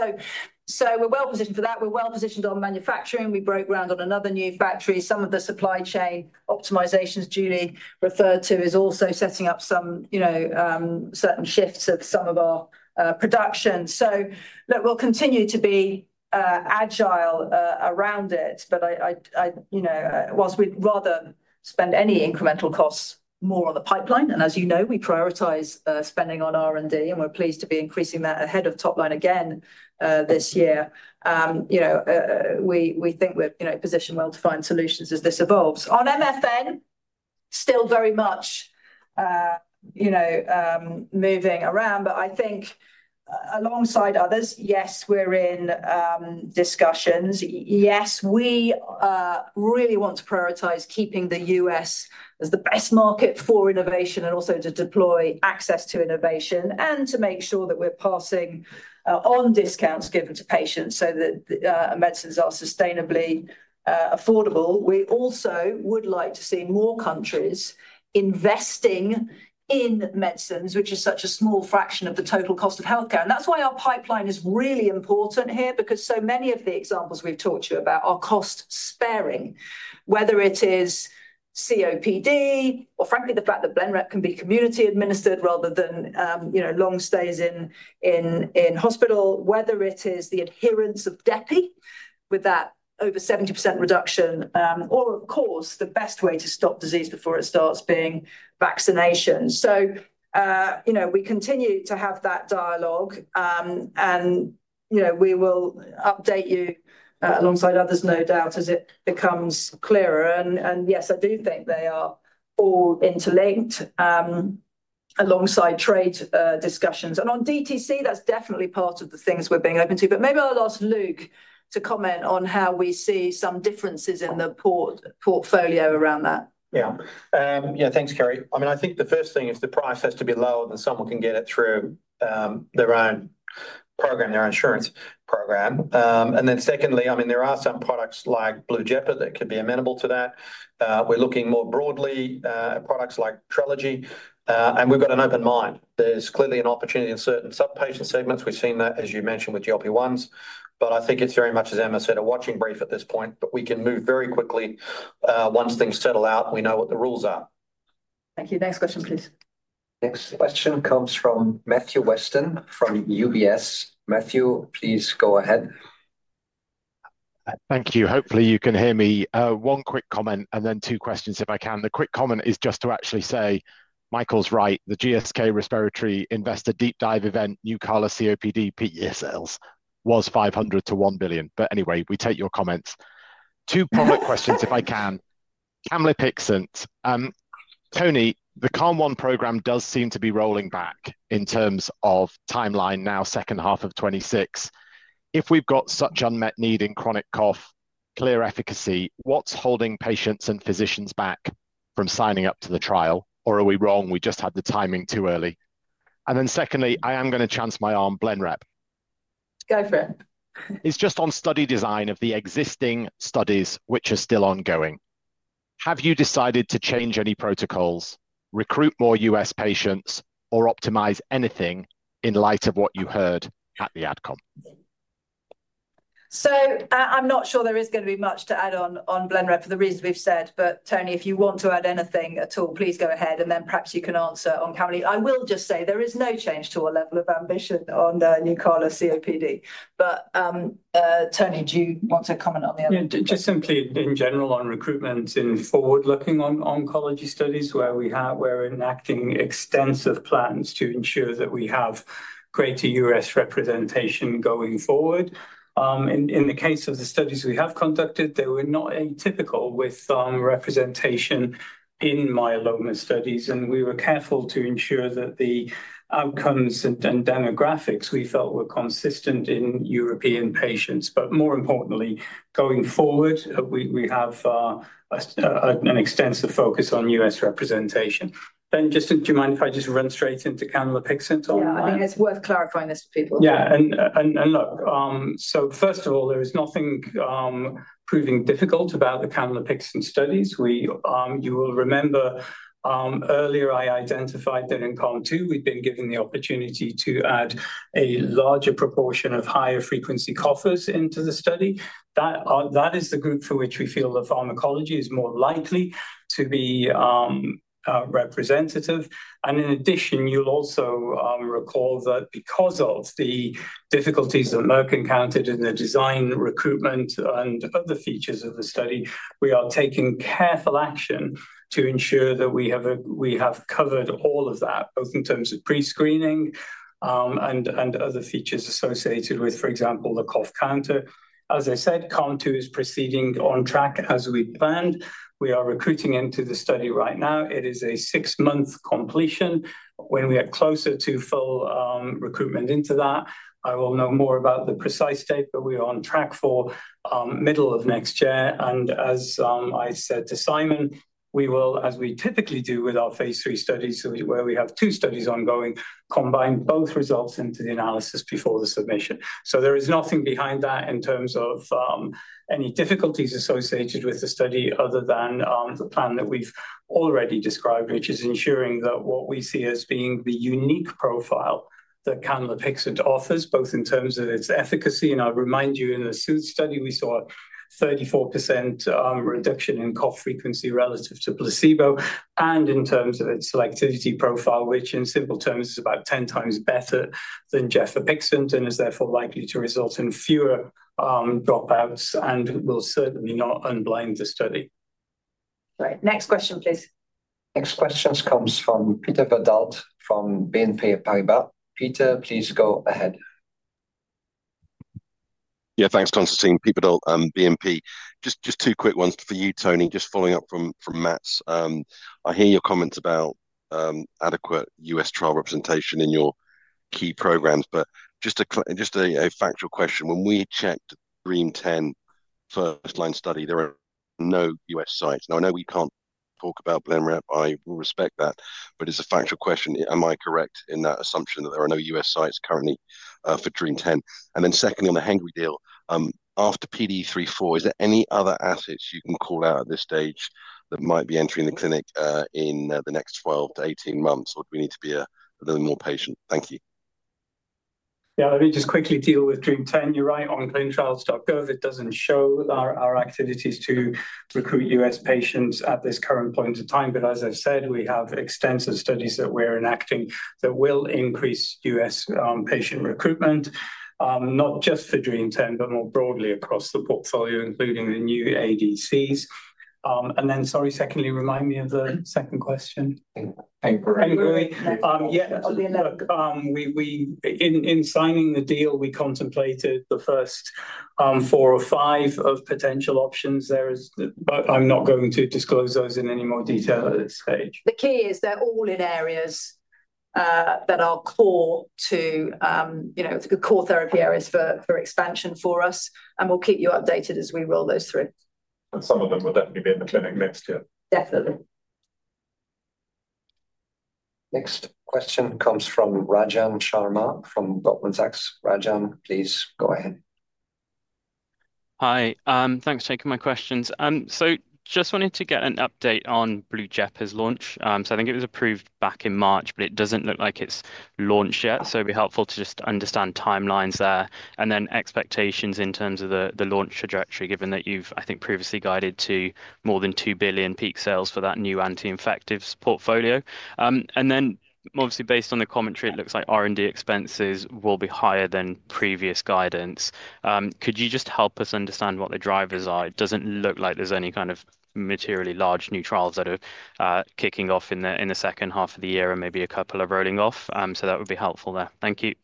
Speaker 2: So we're well positioned for that. We're well positioned on manufacturing. We broke ground on another new factory. Some of the supply chain optimisations Julie referred to is also setting up some, you know, certain shifts of some of our production. Look, we'll continue to be agile around it, but I, you know, whilst we'd rather spend any incremental costs more on the pipeline. As you know, we prioritise spending on R&D, and we're pleased to be increasing that ahead of top line again this year. You know, we think we're, you know, positioned well to find solutions as this evolves. On MFN, still very much, you know, moving around, but I think. Alongside others, yes, we're in discussions. Yes, we really want to prioritise keeping the U.S. as the best market for innovation and also to deploy access to innovation and to make sure that we're passing on discounts given to patients so that medicines are sustainably affordable. We also would like to see more countries investing in medicines, which is such a small fraction of the total cost of healthcare. That's why our pipeline is really important here, because so many of the examples we've talked to you about are cost sparing, whether it is COPD, or frankly, the fact that BLENREP can be community administered rather than, you know, long stays in hospital, whether it is the adherence of Dupi with that over 70% reduction, or of course, the best way to stop disease before it starts being vaccination. You know, we continue to have that dialogue. You know, we will update you alongside others, no doubt, as it becomes clearer. Yes, I do think they are all interlinked. Alongside trade discussions. On DTC, that's definitely part of the things we're being open to. Maybe I'll ask Luke to comment on how we see some differences in the portfolio around that.
Speaker 4: Yeah, thanks, Kerry. I think the first thing is the price has to be lower than someone can get it through their own program, their insurance program. Secondly, there are some products like Blujepa that could be amenable to that. We're looking more broadly at products like Trelegy, and we've got an open mind. There's clearly an opportunity in certain sub-patient segments. We've seen that, as you mentioned, with GLP-1s. I think it's very much, as Emma said, a watching brief at this point, but we can move very quickly once things settle out and we know what the rules are.
Speaker 2: Thank you. Next question, please.
Speaker 1: Next question comes from Matthew Weston from UBS. Matthew, please go ahead.
Speaker 12: Thank you. Hopefully, you can hear me. One quick comment and then two questions if I can. The quick comment is just to actually say Michael's right. The GSK Respiratory Investor Deep Dive Event, Nucala COPD PESLs was $500 million-$1 billion. Anyway, we take your comments. Two public questions if I can. CALM-1. Tony, the CALM-1 program does seem to be rolling back in terms of timeline now, second half of 2026. If we've got such unmet need in chronic cough, clear efficacy, what's holding patients and physicians back from signing up to the trial? Or are we wrong? We just had the timing too early. Secondly, I am going to chance my arm. BLENREP.
Speaker 2: Go for it.
Speaker 12: It's just on study design of the existing studies, which are still ongoing. Have you decided to change any protocols, recruit more US patients, or optimize anything in light of what you heard at the AdCom?
Speaker 2: I'm not sure there is going to be much to add on BLENREP for the reasons we've said, but Tony, if you want to add anything at all, please go ahead, and then perhaps you can answer on CALM-1. I will just say there is no change to our level of ambition on Nucala COPD. Tony, do you want to comment on the other?
Speaker 3: Just simply in general on recruitment in forward-looking oncology studies where we're enacting extensive plans to ensure that we have greater US representation going forward. In the case of the studies we have conducted, they were not atypical with representation in myeloma studies, and we were careful to ensure that the outcomes and demographics we felt were consistent in European patients. But more importantly, going forward, we have an extensive focus on US representation. Then just, do you mind if I just run straight into Camlipixant on that?
Speaker 2: Yeah, I think it's worth clarifying this for people.
Speaker 3: Yeah. Look, first of all, there is nothing proving difficult about the Camlipixant studies. You will remember earlier I identified that in COUGH2 we'd been given the opportunity to add a larger proportion of higher frequency coughers into the study. That is the group for which we feel the pharmacology is more likely to be representative. In addition, you'll also recall that because of the difficulties that Merck encountered in the design, recruitment, and other features of the study, we are taking careful action to ensure that we have covered all of that, both in terms of pre-screening and other features associated with, for example, the cough counter. As I said, COUGH2 is proceeding on track as we planned. We are recruiting into the study right now. It is a six-month completion. When we get closer to full recruitment into that, I will know more about the precise date, but we are on track for middle of next year. As I said to Simon, we will, as we typically do with our phase III studies, where we have two studies ongoing, combine both results into the analysis before the submission. There is nothing behind that in terms of any difficulties associated with the study other than the plan that we've already described, which is ensuring that what we see as being the unique profile that Camlipixant offers, both in terms of its efficacy.
Speaker 1: I'll remind you, in the SOOTHE study, we saw a 34% reduction in cough frequency relative to placebo and in terms of its selectivity profile, which in simple terms is about 10 times better than Gefapixant and is therefore likely to result in fewer dropouts and will certainly not unblind the study.
Speaker 2: Right. Next question, please.
Speaker 1: Next question comes from Peter Verdult from BNP Paribas. Peter, please go ahead.
Speaker 13: Yeah, thanks, Constantin. Peter Verdult and BNP. Just two quick ones for you, Tony. Just following up from Matt. I hear your comments about adequate US trial representation in your key programs, but just a factual question. When we checked the DREAM10 first-line study, there are no US sites. Now, I know we can't talk about BLENREP. I will respect that. But it's a factual question. Am I correct in that assumption that there are no US sites currently for DREAM10? And then secondly, on the Hengrui deal, after PDE3/4, is there any other assets you can call out at this stage that might be entering the clinic in the next 12 to 18 months, or do we need to be a little more patient? Thank you.
Speaker 3: Yeah, let me just quickly deal with DREAM10. You're right on clinicaltrials.gov. It does not show our activities to recruit U.S. patients at this current point in time, but as I have said, we have extensive studies that we are enacting that will increase U.S. patient recruitment. Not just for DREAM10, but more broadly across the portfolio, including the new ADCs. Sorry, secondly, remind me of the second question. Thank you. Yeah. Look. In signing the deal, we contemplated the first four or five of potential options. I'm not going to disclose those in any more detail at this stage.
Speaker 2: The key is they are all in areas that are core to core therapy areas for expansion for us. We will keep you updated as we roll those through.
Speaker 13: Some of them will definitely be in the clinic next year?
Speaker 2: Definitely.
Speaker 1: Next question comes from Rajan Sharma from Goldman Sachs. Rajan, please go ahead.
Speaker 14: Hi. Thanks for taking my questions. Just wanted to get an update on Blujepa's launch. I think it was approved back in March, but it does not look like it is launched yet. It would be helpful to just understand timelines there and then expectations in terms of the launch trajectory, given that you have, I think, previously guided to more than $2 billion peak sales for that new anti-infective portfolio. Obviously, based on the commentary, it looks like R&D expenses will be higher than previous guidance. Could you just help us understand what the drivers are? It does not look like there is any kind of materially large new trials that are kicking off in the second half of the year and maybe a couple are rolling off. That would be helpful there. Thank you.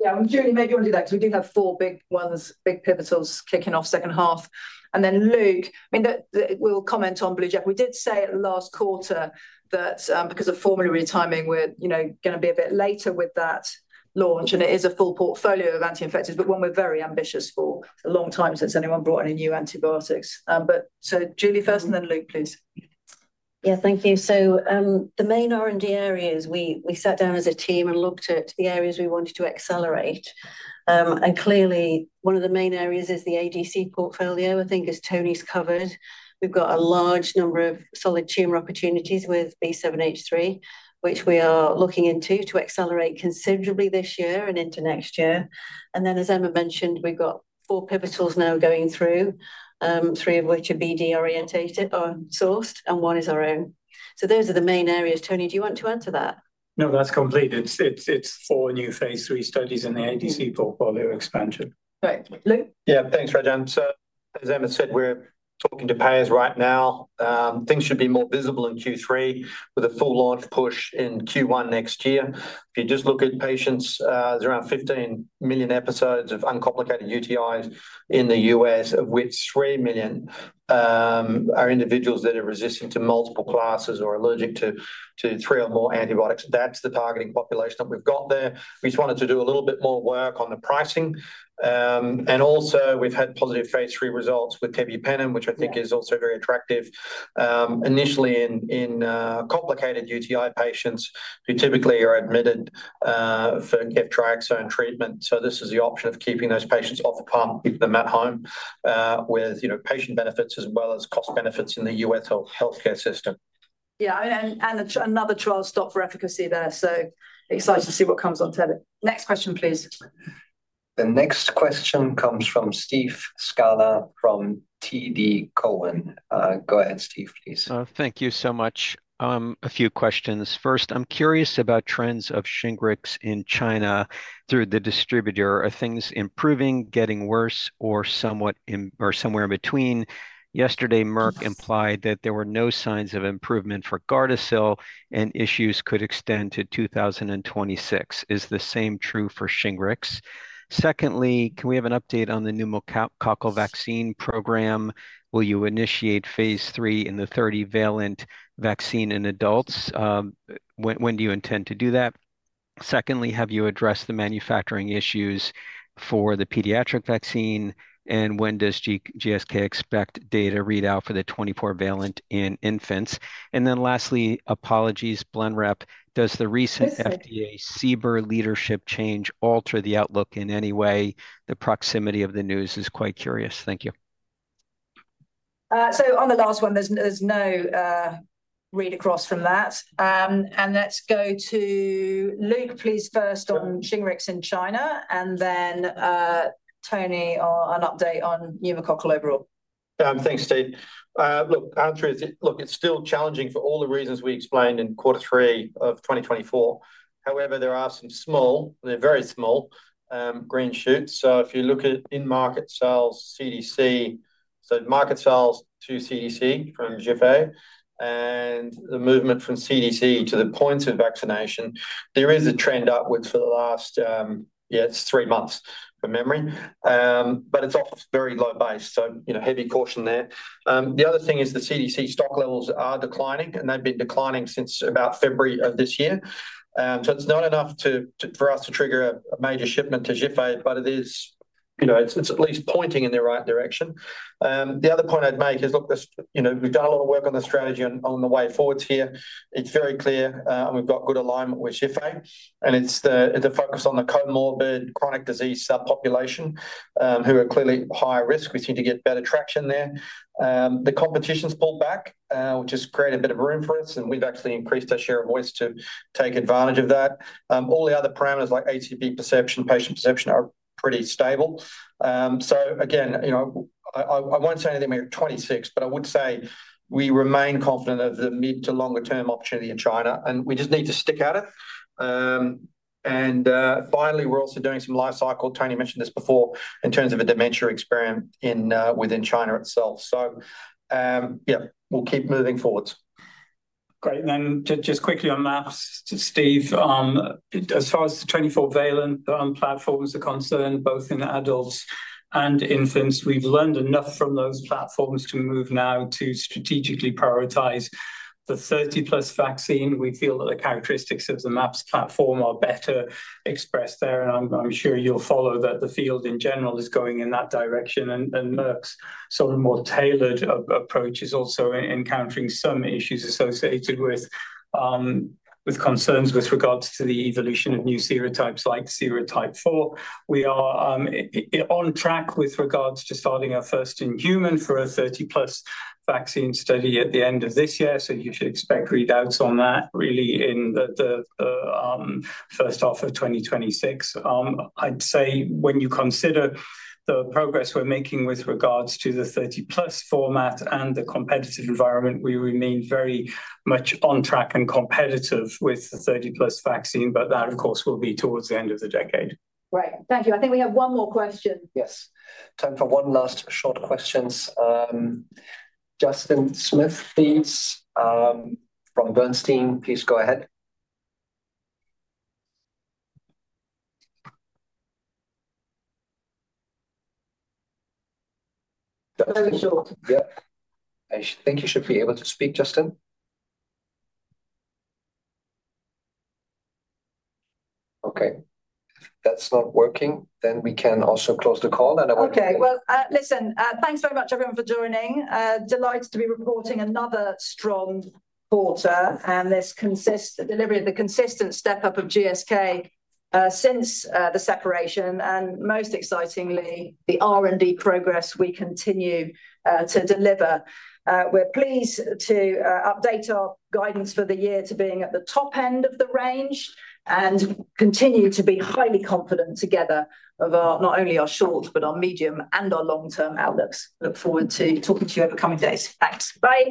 Speaker 2: Yeah, I am sure you may be able to do that because we do have four big ones, big pivotals kicking off second half. Luke, I mean, we will comment on Blujepa. We did say at the last quarter that because of formulary retiming, we are going to be a bit later with that launch, and it is a full portfolio of anti-infectives, but one we are very ambitious for. A long time since anyone brought in a new antibiotic. Julie first, and then Luke, please.
Speaker 6: Yeah, thank you. The main R&D areas, we sat down as a team and looked at the areas we wanted to accelerate. Clearly, one of the main areas is the ADC portfolio, I think, as Tony's covered. We've got a large number of solid tumor opportunities with B7-H3, which we are looking into to accelerate considerably this year and into next year. As Emma mentioned, we've got four pivotals now going through, three of which are BD-orientated or sourced, and one is our own. Those are the main areas. Tony, do you want to answer that?
Speaker 3: No, that's complete. It's four new phase three studies in the ADC portfolio expansion. Right. Luke?
Speaker 4: Yeah, thanks, Rajan. As Emma said, we're talking to payers right now. Things should be more visible in Q3 with a full launch push in Q1 next year. If you just look at patients, there's around 15 million episodes of uncomplicated UTIs in the US, of which 3 million are individuals that are resistant to multiple classes or allergic to three or more antibiotics. That's the targeting population that we've got there. We just wanted to do a little bit more work on the pricing. Also, we've had positive phase three results with Tebipenem, which I think is also very attractive, initially in complicated UTI patients who typically are admitted for ceftriaxone treatment. This is the option of keeping those patients off the pump, keeping them at home with patient benefits as well as cost benefits in the US healthcare system.
Speaker 2: Yeah, and another trial stop for efficacy there. Excited to see what comes on Tebi. Next question, please.
Speaker 1: The next question comes from Steve Scala from TD Cowen. Go ahead, Steve, please.
Speaker 15: Thank you so much. A few questions. First, I'm curious about trends of Shingrix in China through the distributor. Are things improving, getting worse, or somewhere in between? Yesterday, Merck implied that there were no signs of improvement for Gardasil, and issues could extend to 2026. Is the same true for Shingrix? Secondly, can we have an update on the pneumococcal vaccine program? Will you initiate phase three in the 30 valent vaccine in adults? When do you intend to do that? Secondly, have you addressed the manufacturing issues for the pediatric vaccine? When does GSK expect data readout for the 24 valent in infants? Lastly, apologies, BLENREP, does the recent FDA SEBR leadership change alter the outlook in any way? The proximity of the news is quite curious. Thank you.
Speaker 2: On the last one, there's no read across from that. Let's go to Luke, please, first on Shingrix in China, and then. Tony, an update on pneumococcal overall.
Speaker 4: Thanks, Steve. Look, it's still challenging for all the reasons we explained in quarter three of 2024. However, there are some small, they're very small, green shoots. If you look at in-market sales, CDC, so market sales to CDC from GFA and the movement from CDC to the point of vaccination, there is a trend upwards for the last, yeah, it's three months from memory. But it's off a very low base, so heavy caution there. The other thing is the CDC stock levels are declining, and they've been declining since about February of this year. It's not enough for us to trigger a major shipment to Zhifei, but it is at least pointing in the right direction. The other point I'd make is, we've done a lot of work on the strategy on the way forwards here. It's very clear, and we've got good alignment with Zhifei. It's a focus on the comorbid chronic disease subpopulation who are clearly higher risk. We seem to get better traction there. The competition's pulled back, which has created a bit of room for us, and we've actually increased our share of voice to take advantage of that. All the other parameters like ATP perception, patient perception are pretty stable. Again, I won't say anything about 2026, but I would say we remain confident of the mid to longer-term opportunity in China, and we just need to stick at it. Finally, we're also doing some life cycle. Tony mentioned this before in terms of a dementia experiment within China itself. We'll keep moving forwards.
Speaker 3: Great. And then just quickly on MAPS, Steve. As far as the 24 valent platforms are concerned, both in adults and infants, we've learned enough from those platforms to move now to strategically prioritize the 30 plus vaccine. We feel that the characteristics of the MAPS platform are better expressed there, and I'm sure you'll follow that the field in general is going in that direction, and Merck's sort of more tailored approach is also encountering some issues associated with concerns with regards to the evolution of new serotypes like serotype 4. We are on track with regards to starting our first in human for a 30 plus vaccine study at the end of this year, so you should expect readouts on that really in the first half of 2026. I'd say when you consider the progress we're making with regards to the 30 plus format and the competitive environment, we remain very much on track and competitive with the 30 plus vaccine, but that, of course, will be towards the end of the decade.
Speaker 2: Right. Thank you. I think we have one more question.
Speaker 1: Yes. Time for one last short question. Justin Smith from Bernstein. Please go ahead. Yeah. I think you should be able to speak, Justin. Okay. If that's not working, then we can also close the call.
Speaker 2: Okay. Thanks very much, everyone, for joining. Delighted to be reporting another strong quarter, and this consists of the delivery of the consistent step-up of GSK. Since the separation and most excitingly, the R&D progress we continue to deliver. We're pleased to update our guidance for the year to being at the top end of the range and continue to be highly confident together of not only our short, but our medium and our long-term outlooks. Look forward to talking to you over the coming days. Thanks. Bye.